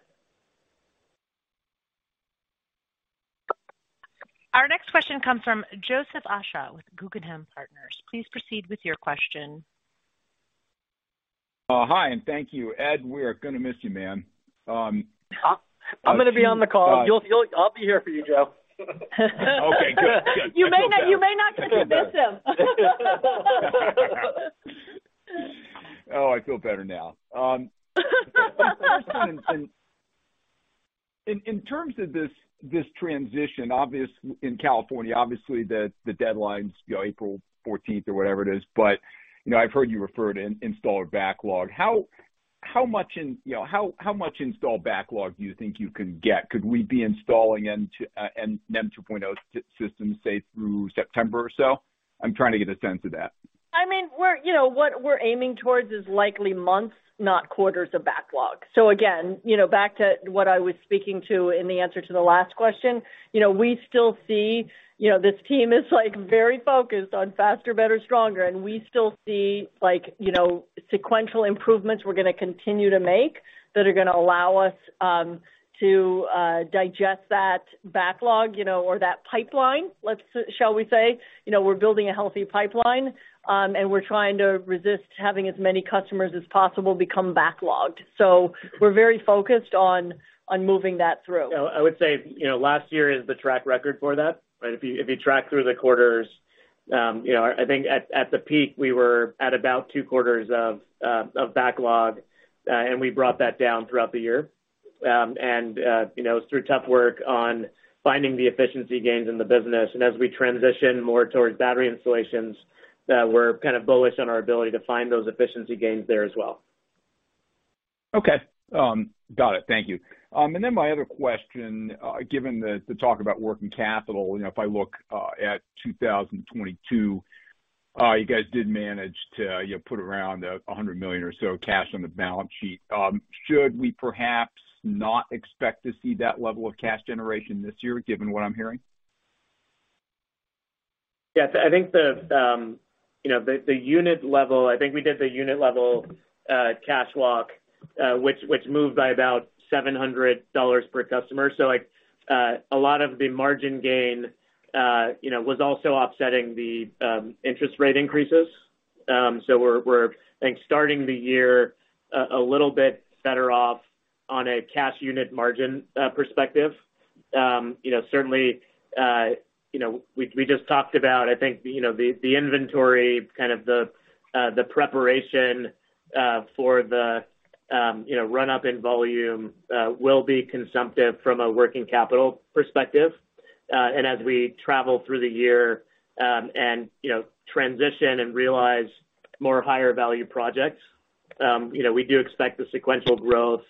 Our next question comes from Joseph Osha with Guggenheim Partners. Please proceed with your question. Hi, thank you. Ed, we are gonna miss you, man. I'm gonna be on the call. I'll be here for you, Joe. Okay, good. Good. You may not get to miss him. Oh, I feel better now. In terms of this transition, in California, obviously, the deadline's, you know, April 14th or whatever it is, but, you know, I've heard you refer to installer backlog. You know, how much install backlog do you think you can get? Could we be installing NEM 2.0 systems, say, through September or so? I'm trying to get a sense of that. I mean, we're, you know, what we're aiming towards is likely months, not quarters of backlog. Again, you know, back to what I was speaking to in the answer to the last question, you know, we still see. You know, this team is, like, very focused on faster, better, stronger, and we still see, like, you know, sequential improvements we're gonna continue to make that are gonna allow us to digest that backlog, you know, or that pipeline, let's shall we say. You know, we're building a healthy pipeline and we're trying to resist having as many customers as possible become backlogged. We're very focused on moving that through. I would say, you know, last year is the track record for that, right? If you track through the quarters, you know, I think at the peak, we were at about two quarters of backlog, and we brought that down throughout the year. You know, through tough work on finding the efficiency gains in the business. As we transition more towards battery installations, that we're kind of bullish on our ability to find those efficiency gains there as well. Okay. Got it. Thank you. My other question, given the talk about working capital, you know, if I look, at 2022, you guys did manage to, you know, put around $100 million or so cash on the balance sheet. Should we perhaps not expect to see that level of cash generation this year, given what I'm hearing? I think the, you know, the unit level cash walk, which moved by about $700 per customer. Like, a lot of the margin gain, you know, was also offsetting the interest rate increases. We're, I think, starting the year a little bit better off on a cash unit margin perspective. You know, certainly, you know, we just talked about, I think, you know, the inventory, kind of the preparation for the, you know, run-up in volume will be consumptive from a working capital perspective. As we travel through the year, and, you know, transition and realize more higher value projects, you know, we do expect the sequential growth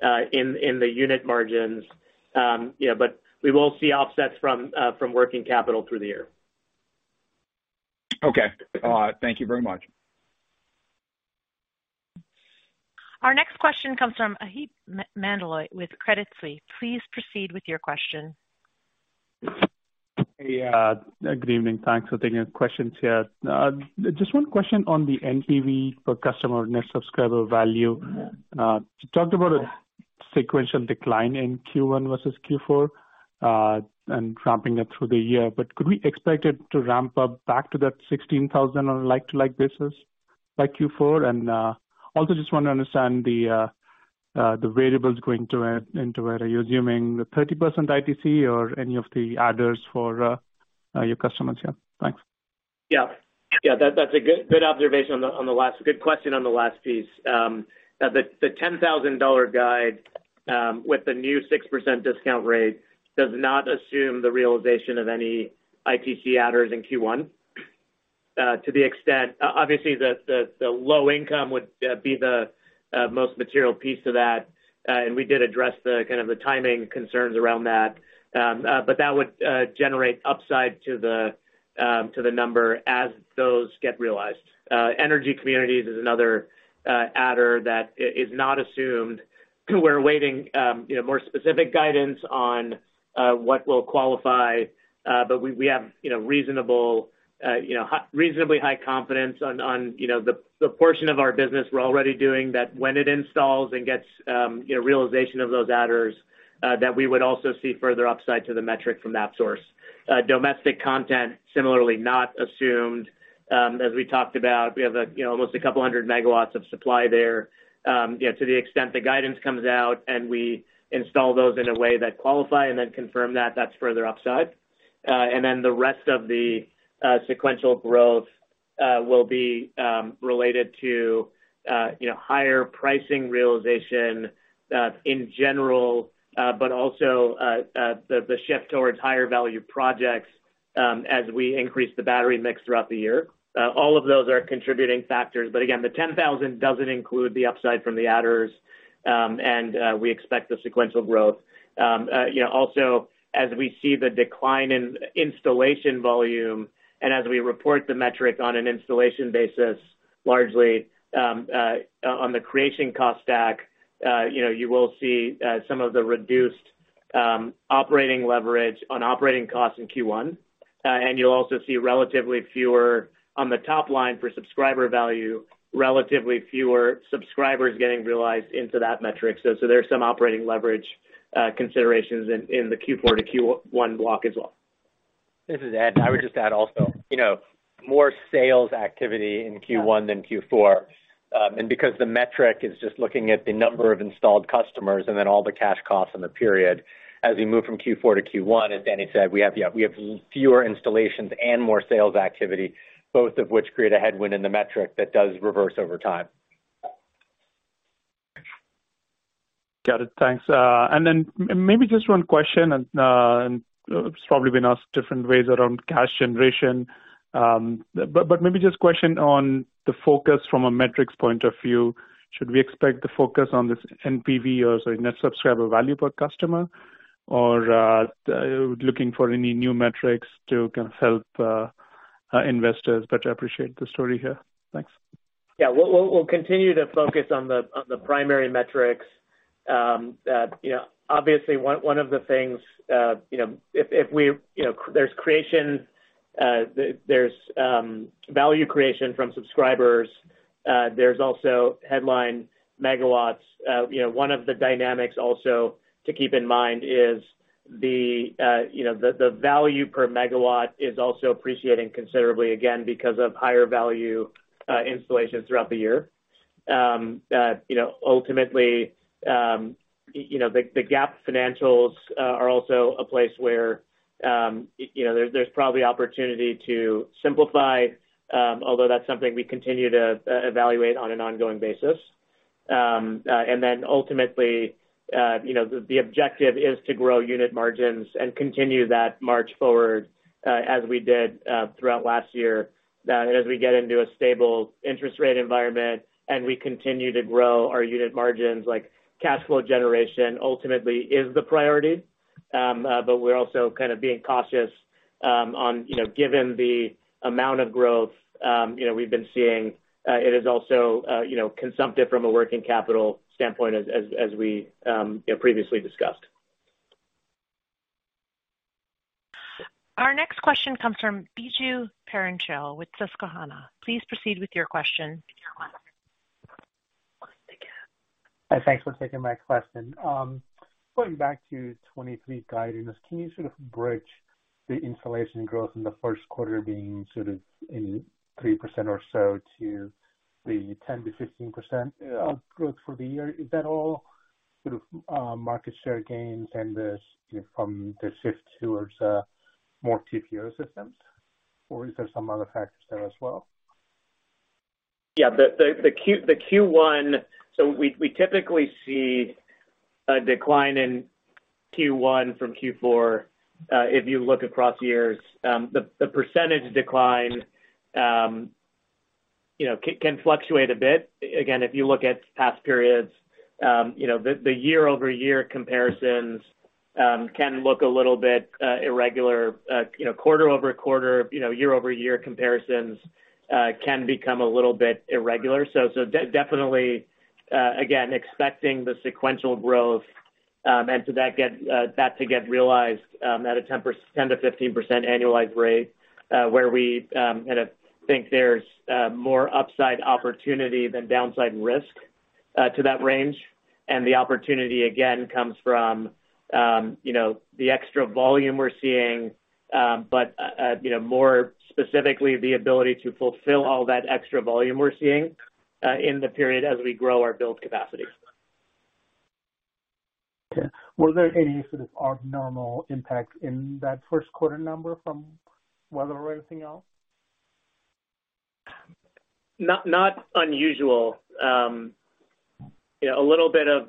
in the unit margins. You know, we will see offsets from working capital through the year. Okay. Thank you very much. Our next question comes from Maheep Mandloi with Credit Suisse. Please proceed with your question. Good evening. Thanks for taking the questions here. Just one question on the NPV per customer Net Subscriber Value. You talked about a sequential decline in Q1 versus Q4, and ramping it through the year. Could we expect it to ramp up back to that $16,000 on a like-to-like basis by Q4? Also just want to understand the variables going into it. Are you assuming the 30% ITC or any of the adders for your customers? Thanks. Yeah. That's a good observation on the last... Good question on the last piece. The $10,000 guide with the new 6% discount rate does not assume the realization of any ITC adders in Q1. To the extent, obviously, the low income would be the most material piece to that, and we did address the kind of the timing concerns around that. That would generate upside to the number as those get realized. energy communities is another adder that is not assumed. We're awaiting, you know, more specific guidance on what will qualify, but we have, you know, reasonable, you know, reasonably high confidence on, you know, the portion of our business we're already doing that when it installs and gets, you know, realization of those adders, that we would also see further upside to the metric from that source. Domestic content similarly not assumed. As we talked about, we have a, you know, almost a couple hundred megawatts of supply there. You know, to the extent the guidance comes out and we install those in a way that qualify and then confirm that's further upside. The rest of the sequential growth will be related to, you know, higher pricing realization in general, but also, the shift towards higher value projects as we increase the battery mix throughout the year. All of those are contributing factors, but again, the 10,000 doesn't include the upside from the adders, and we expect the sequential growth. You know, also as we see the decline in installation volume and as we report the metric on an installation basis, largely, on the Creation Cost stack, you know, you will see some of the reduced operating leverage on operating costs in Q1. You'll also see relatively fewer on the top line for Subscriber Value, relatively fewer subscribers getting realized into that metric. There's some operating leverage considerations in the Q4-Q1 block as well. This is Ed. I would just add also, you know, more sales activity in Q1 than Q4. Because the metric is just looking at the number of installed customers and then all the cash costs in the period as we move from Q4-Q1, as Danny said, we have fewer installations and more sales activity, both of which create a headwind in the metric that does reverse over time. Got it. Thanks. Then maybe just one question, and it's probably been asked different ways around cash generation. But maybe just a question on the focus from a metrics point of view. Should we expect the focus on this NPV or Net Subscriber Value per customer? Looking for any new metrics to kind of help investors, but I appreciate the story here. Thanks. Yeah. We'll continue to focus on the primary metrics. you know, obviously one of the things, you know, if we, you know, there's creation, there's value creation from subscribers, there's also headline megawatts. you know, one of the dynamics also to keep in mind is the, you know, the value per megawatt is also appreciating considerably, again, because of higher value installations throughout the year. you know, ultimately, you know, the GAAP financials are also a place where, you know, there's probably opportunity to simplify, although that's something we continue to evaluate on an ongoing basis. Ultimately, you know, the objective is to grow unit margins and continue that march forward, as we did, throughout last year. As we get into a stable interest rate environment and we continue to grow our unit margins, like cash flow generation ultimately is the priority. We're also kind of being cautious, on, you know, given the amount of growth, you know, we've been seeing, it is also, you know, consumptive from a working capital standpoint as we, you know, previously discussed. Our next question comes from Biju Perincheril with Susquehanna. Please proceed with your question. Hi, thanks for taking my question. Going back to 2023 guidance, can you sort of bridge the installation growth in the first quarter being sort of in 3% or so to the 10%-15% growth for the year? Is that all sort of market share gains and from the shift towards more TPO systems, or is there some other factors there as well? The Q1, we typically see a decline in Q1 from Q4 if you look across years. The percentage decline, you know, can fluctuate a bit. Again, if you look at past periods, you know, the year-over-year comparisons can look a little bit irregular. You know, quarter-over-quarter, you know, year-over-year comparisons can become a little bit irregular. Definitely, again, expecting the sequential growth, and that to get realized at a 10%-15% annualized rate, where we kinda think there's more upside opportunity than downside risk to that range. The opportunity, again, comes from, you know, the extra volume we're seeing, but, you know, more specifically, the ability to fulfill all that extra volume we're seeing, in the period as we grow our build capacity. Okay. Were there any sort of abnormal impacts in that first quarter number from weather or anything else? Not, not unusual. You know, a little bit of,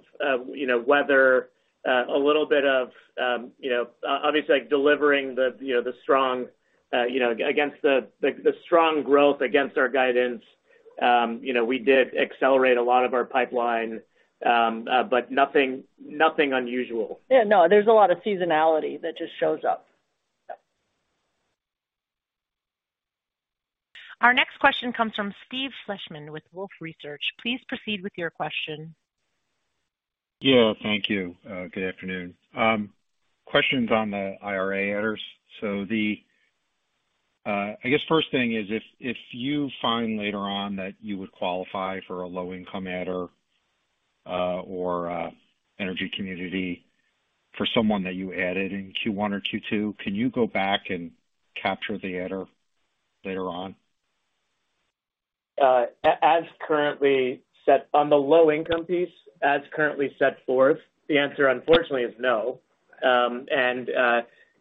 you know, weather, a little bit of, you know, obviously, like, delivering the, you know, the strong, you know, against the, the strong growth against our guidance. You know, we did accelerate a lot of our pipeline, but nothing unusual. Yeah, no, there's a lot of seasonality that just shows up. Our next question comes from Steve Fleishman with Wolfe Research. Please proceed with your question. Yeah, thank you. Good afternoon. Questions on the IRA adders. The, I guess first thing is if you find later on that you would qualify for a low-income adder, or energy community for someone that you added in Q1 or Q2, can you go back and capture the adder later on? As currently set on the low income piece, as currently set forth, the answer, unfortunately, is no.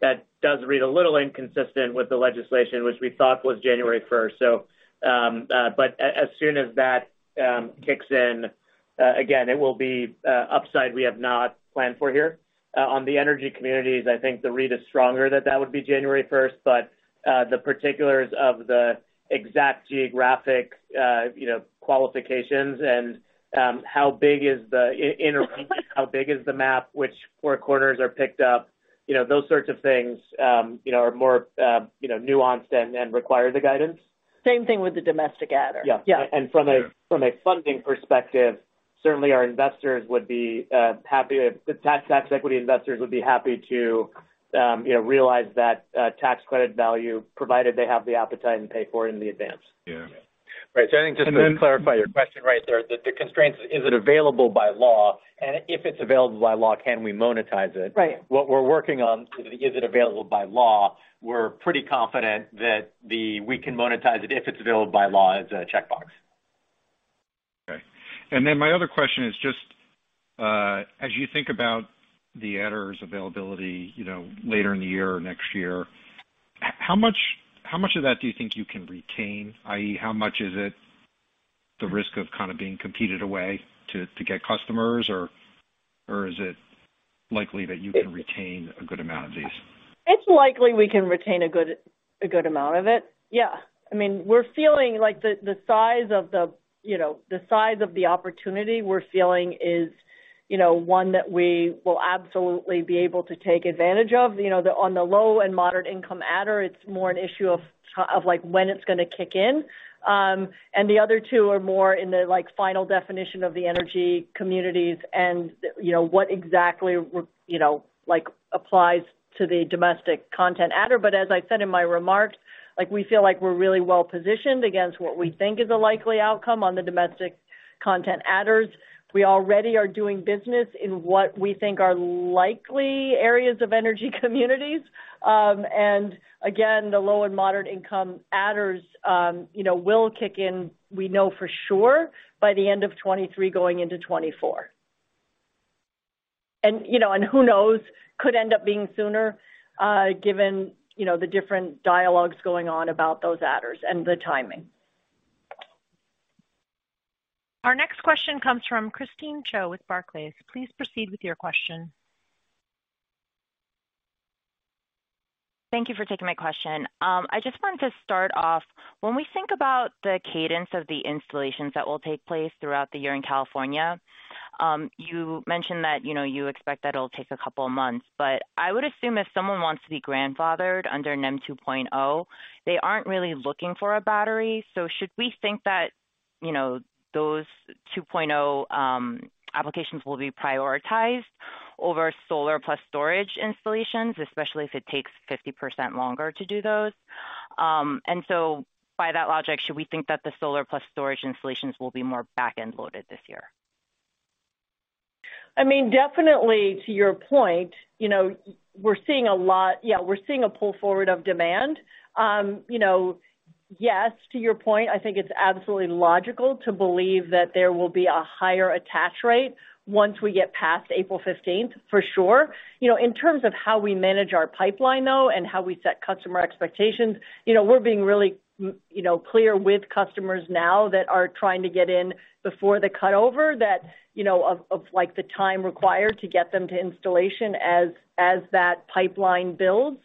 That does read a little inconsistent with the legislation, which we thought was January first. As soon as that kicks in, again, it will be upside we have not planned for here. On the energy communities, I think the read is stronger that that would be January 1st, the particulars of the exact geographic, you know, qualifications and, how big is the map, which four corners are picked up. You know, those sorts of things, you know, are more, you know, nuanced and require the guidance. Same thing with the domestic adder. Yeah. Yeah. From a funding perspective, certainly our investors would be happy. The tax equity investors would be happy to, you know, realize that tax credit value provided they have the appetite and pay for it in the advance. Yeah. Right. I think just to clarify your question right there, the constraints, is it available by law? If it's available by law, can we monetize it? Right. What we're working on is it available by law? We're pretty confident that we can monetize it if it's available by law as a checkbox. My other question is just, as you think about the adder's availability, you know, later in the year or next year, how much of that do you think you can retain, i.e., how much is it the risk of kind of being competed away to get customers? Is it likely that you can retain a good amount of these? It's likely we can retain a good amount of it. Yeah. I mean, we're feeling like the size of the, you know, the size of the opportunity we're feeling is, you know, one that we will absolutely be able to take advantage of. You know, on the low and moderate income adder, it's more an issue of like when it's gonna kick in. The other two are more in the like, final definition of the energy communities and, you know, what exactly we're, you know, like, applies to the domestic content adder. As I said in my remarks, like, we feel like we're really well-positioned against what we think is a likely outcome on the domestic content adders. We already are doing business in what we think are likely areas of energy communities. Again, the low and moderate income adders, you know, will kick in, we know for sure by the end of 2023 going into 2024. You know, and who knows, could end up being sooner, given, you know, the different dialogues going on about those adders and the timing. Our next question comes from Christine Cho with Barclays. Please proceed with your question. Thank you for taking my question. I just wanted to start off, when we think about the cadence of the installations that will take place throughout the year in California, you mentioned that, you know, you expect that it'll take a couple of months. I would assume if someone wants to be grandfathered under NEM 2.0, they aren't really looking for a battery. Should we think that, you know, those 2.0 applications will be prioritized over solar plus storage installations, especially if it takes 50% longer to do those? By that logic, should we think that the solar plus storage installations will be more back-end loaded this year? I mean, definitely to your point, you know, we're seeing a lot. Yeah, we're seeing a pull forward of demand. You know, yes, to your point, I think it's absolutely logical to believe that there will be a higher attach rate once we get past April 15th, for sure. You know, in terms of how we manage our pipeline, though, and how we set customer expectations, you know, we're being really you know, clear with customers now that are trying to get in before the cutover that, you know, of, like, the time required to get them to installation as that pipeline builds.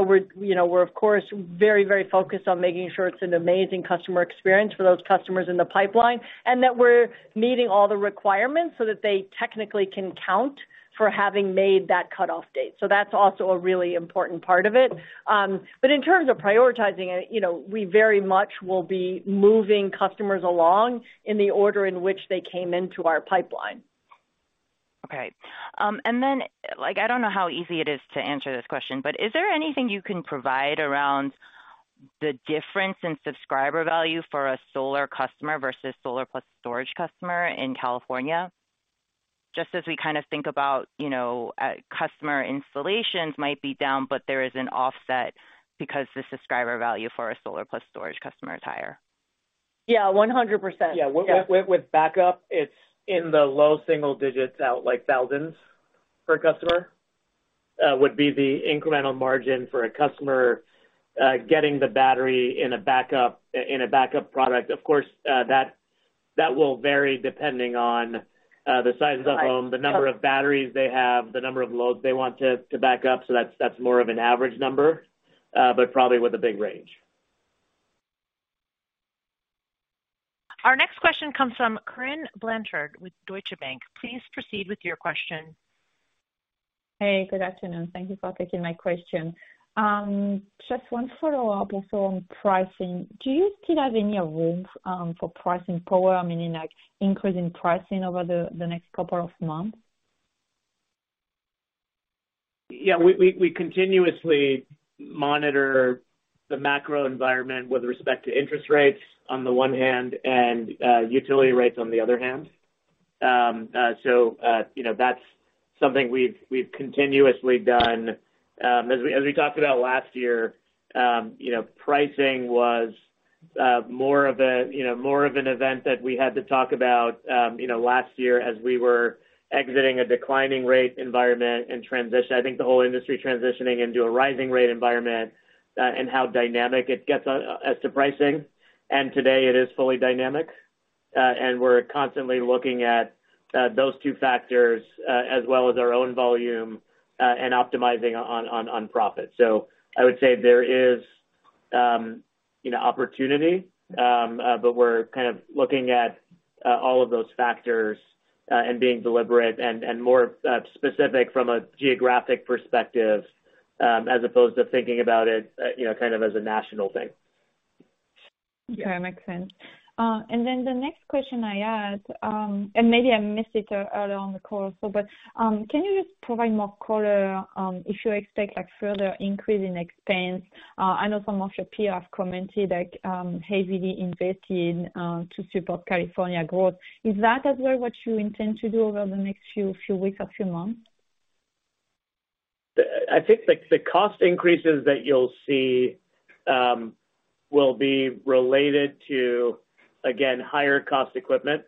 We're, you know, we're of course very focused on making sure it's an amazing customer experience for those customers in the pipeline, and that we're meeting all the requirements so that they technically can count for having made that cutoff date. That's also a really important part of it. In terms of prioritizing it, you know, we very much will be moving customers along in the order in which they came into our pipeline. Okay. Then, like, I don't know how easy it is to answer this question, but is there anything you can provide around the difference in Subscriber Value for a solar customer versus solar plus storage customer in California? Just as we kind of think about, you know, customer installations might be down, but there is an offset because the Subscriber Value for a solar plus storage customer is higher. Yeah, 100%. Yeah. With backup, it's in the low single digits, out like $thousands per customer, would be the incremental margin for a customer getting the battery in a backup product. Of course, that will vary depending on the size of the home, the number of batteries they have, the number of loads they want to back up. That's more of an average number, but probably with a big range. Our next question comes from Corinne Blanchard with Deutsche Bank. Please proceed with your question. Hey, good afternoon. Thank you for taking my question. Just one follow-up also on pricing. Do you still have any room for pricing power? I mean, in, like, increasing pricing over the next couple of months? Yeah, we continuously monitor the macro environment with respect to interest rates on the one hand and utility rates on the other hand. So, you know, that's something we've continuously done. As we talked about last year, you know, pricing was more of a, you know, more of an event that we had to talk about, you know, last year as we were exiting a declining rate environment and transition. I think the whole industry transitioning into a rising rate environment, and how dynamic it gets as to pricing. Today it is fully dynamic. We're constantly looking at those two factors, as well as our own volume, and optimizing on profit. I would say there is, you know, opportunity, but we're kind of looking at all of those factors and being deliberate and more specific from a geographic perspective, as opposed to thinking about it, you know, kind of as a national thing. Okay. Makes sense. Then the next question I had, maybe I missed it earlier on the call, can you just provide more color, if you expect further increase in expense? I know some of your peers have commented, heavily investing to support California growth. Is that as well what you intend to do over the next few weeks or few months? I think the cost increases that you'll see, will be related to, again, higher cost equipment,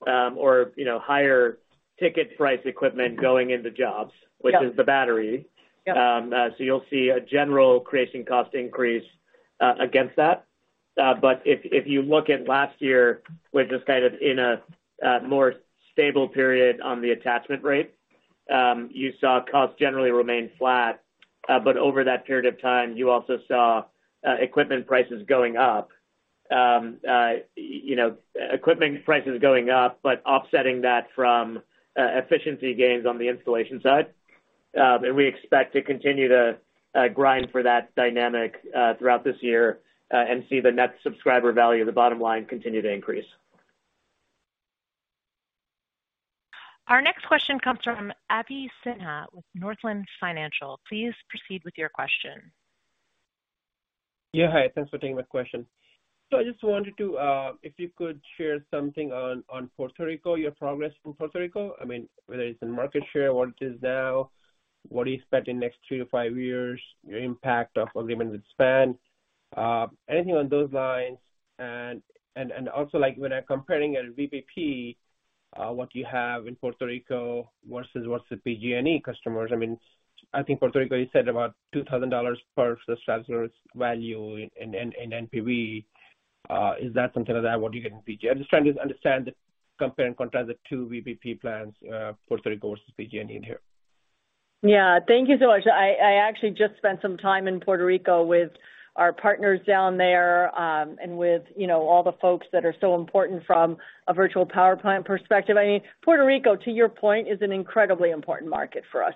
or, you know, higher ticket price equipment going into jobs. Yep. which is the battery. Yep. You'll see a general Creation Cost increase against that. If you look at last year, we're just kind of in a more stable period on the attachment rate. You saw costs generally remain flat, but over that period of time, you also saw equipment prices going up. You know, equipment prices going up, but offsetting that from efficiency gains on the installation side. We expect to continue to grind for that dynamic throughout this year, and see the Net Subscriber Value, the bottom line, continue to increase. Our next question comes from Abhi Sinha with Northland Financial. Please proceed with your question. Hi. Thanks for taking my question. I just wanted to, if you could share something on Puerto Rico, your progress in Puerto Rico. I mean, whether it's in market share, what it is now, what do you expect in next three to five years, your impact of agreement with SPAN, anything on those lines. Also like when comparing a VPP, what you have in Puerto Rico versus what's the PG&E customers. I mean, I think Puerto Rico, you said about $2,000 per Subscriber's Value in NPV. Is that something like that what you get in PG? I'm just trying to understand the compare and contrast the two VPP plans, Puerto Rico versus PG&E in here. Yeah. Thank you so much. I actually just spent some time in Puerto Rico with our partners down there, and with, you know, all the folks that are so important from a Virtual Power Plant perspective. I mean, Puerto Rico, to your point, is an incredibly important market for us.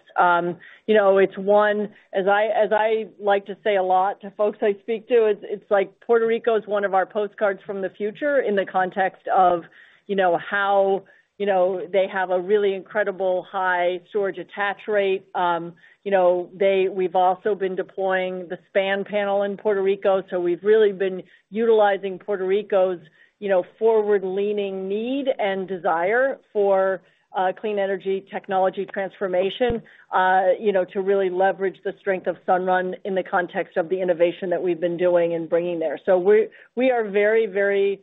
You know, it's one as I like to say a lot to folks I speak to, it's like Puerto Rico is one of our postcards from the future in the context of, you know, how, you know, they have a really incredible high storage attach rate. You know, We've also been deploying the SPAN Panel in Puerto Rico, so we've really been utilizing Puerto Rico's, you know, forward-leaning need and desire for clean energy technology transformation, you know, to really leverage the strength of Sunrun in the context of the innovation that we've been doing and bringing there. We are very, very,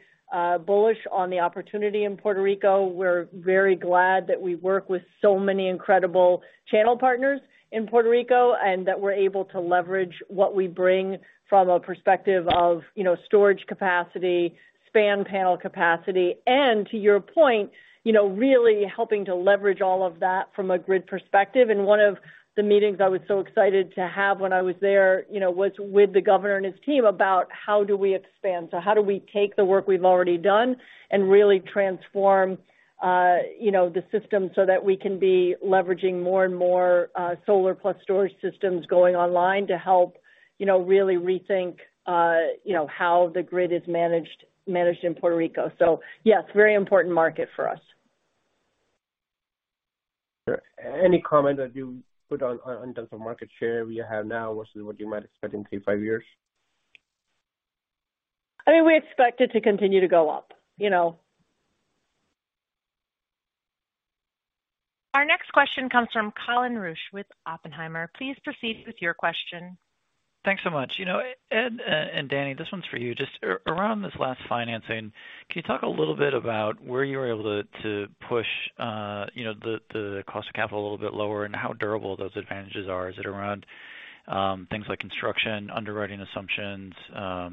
bullish on the opportunity in Puerto Rico. We're very glad that we work with so many incredible channel partners in Puerto Rico, and that we're able to leverage what we bring from a perspective of, you know, storage capacity, SPAN Panel capacity. To your point, you know, really helping to leverage all of that from a grid perspective. One of the meetings I was so excited to have when I was there, you know, was with the governor and his team about how do we expand. How do we take the work we've already done and really transform, you know, the system so that we can be leveraging more and more solar plus storage systems going online to help, you know, really rethink, you know, how the grid is managed in Puerto Rico. Yes, very important market for us. Any comment that you put on terms of market share you have now versus what you might expect in three, five years? I mean, we expect it to continue to go up, you know. Our next question comes from Colin Rusch with Oppenheimer. Please proceed with your question. Thanks so much. You know, Ed, and Danny, this one's for you. Just around this last financing, can you talk a little bit about where you were able to push, you know, the cost of capital a little bit lower and how durable those advantages are? Is it around things like construction, underwriting assumptions,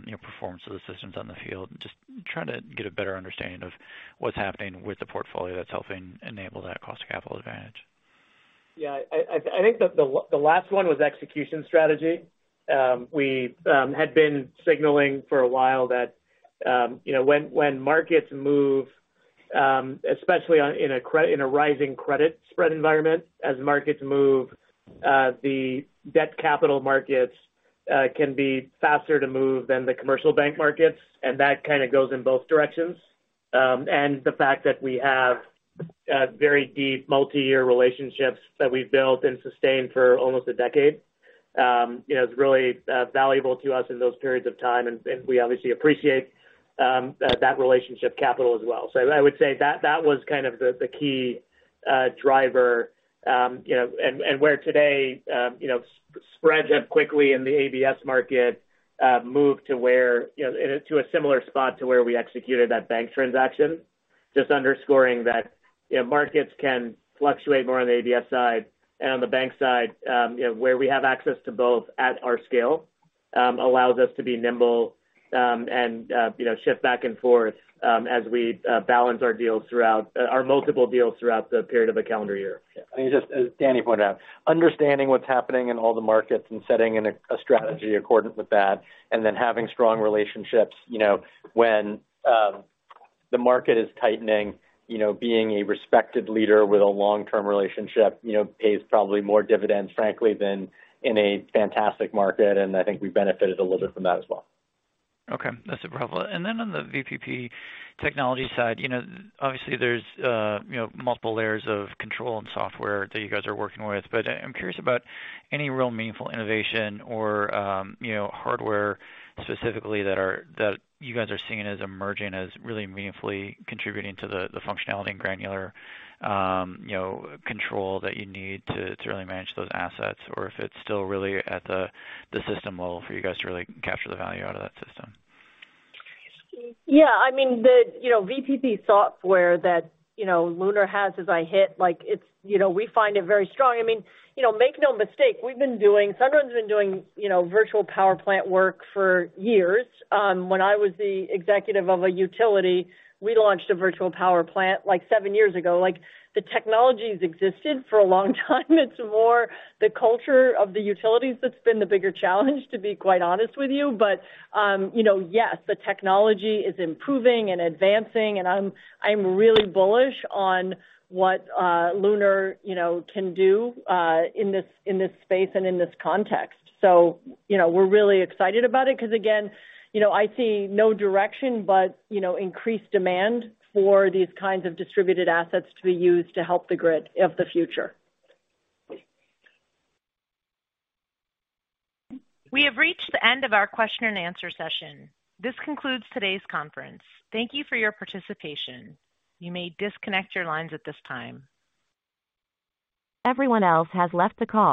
you know, performance of the systems on the field? Just trying to get a better understanding of what's happening with the portfolio that's helping enable that cost of capital advantage. Yeah. I think the last one was execution strategy. We had been signaling for a while that, you know, when markets move, especially in a rising credit spread environment, as markets move, the debt capital markets can be faster to move than the commercial bank markets, and that kind of goes in both directions. The fact that we have very deep multi-year relationships that we've built and sustained for almost a decade. You know, it's really valuable to us in those periods of time, and we obviously appreciate that relationship capital as well. I would say that was kind of the key driver. e today, you know, spreads have quickly in the ABS market moved to where, you know, and to a similar spot to where we executed that bank transaction, just underscoring that, you know, markets can fluctuate more on the ABS side and on the bank side, you know, where we have access to both at our scale allows us to be nimble and, you know, shift back and forth as we balance our multiple deals throughout the period of a calendar year As Danny pointed out, understanding what's happening in all the markets and setting a strategy accordance with that. Having strong relationships, you know, when the market is tightening, you know, being a respected leader with a long-term relationship, you know, pays probably more dividends, frankly, than in a fantastic market. I think we've benefited a little bit from that as well. Okay. That's super helpful. On the VPP technology side, you know, obviously there's, you know, multiple layers of control and software that you guys are working with, but I'm curious about any real meaningful innovation or, you know, hardware specifically that you guys are seeing as emerging as really meaningfully contributing to the functionality and granular, you know, control that you need to really manage those assets, or if it's still really at the system level for you guys to really capture the value out of that system. Yeah, I mean, the, you know, VPP software that, you know, Lunar has as I hit, like it's, you know, we find it very strong. I mean, you know, make no mistake, Sunrun's been doing, you know, Virtual Power Plant work for years. When I was the executive of a utility, we launched a Virtual Power Plant like seven years ago. Like, the technology's existed for a long time. It's more the culture of the utilities that's been the bigger challenge, to be quite honest with you. You know, yes, the technology is improving and advancing, and I'm really bullish on what Lunar, you know, can do in this, in this space and in this context. You know, we're really excited about it because again, you know, I see no direction but, you know, increased demand for these kinds of distributed assets to be used to help the grid of the future. We have reached the end of our question-and-answer session. This concludes today's conference. Thank you for your participation. You may disconnect your lines at this time. Everyone else has left the call.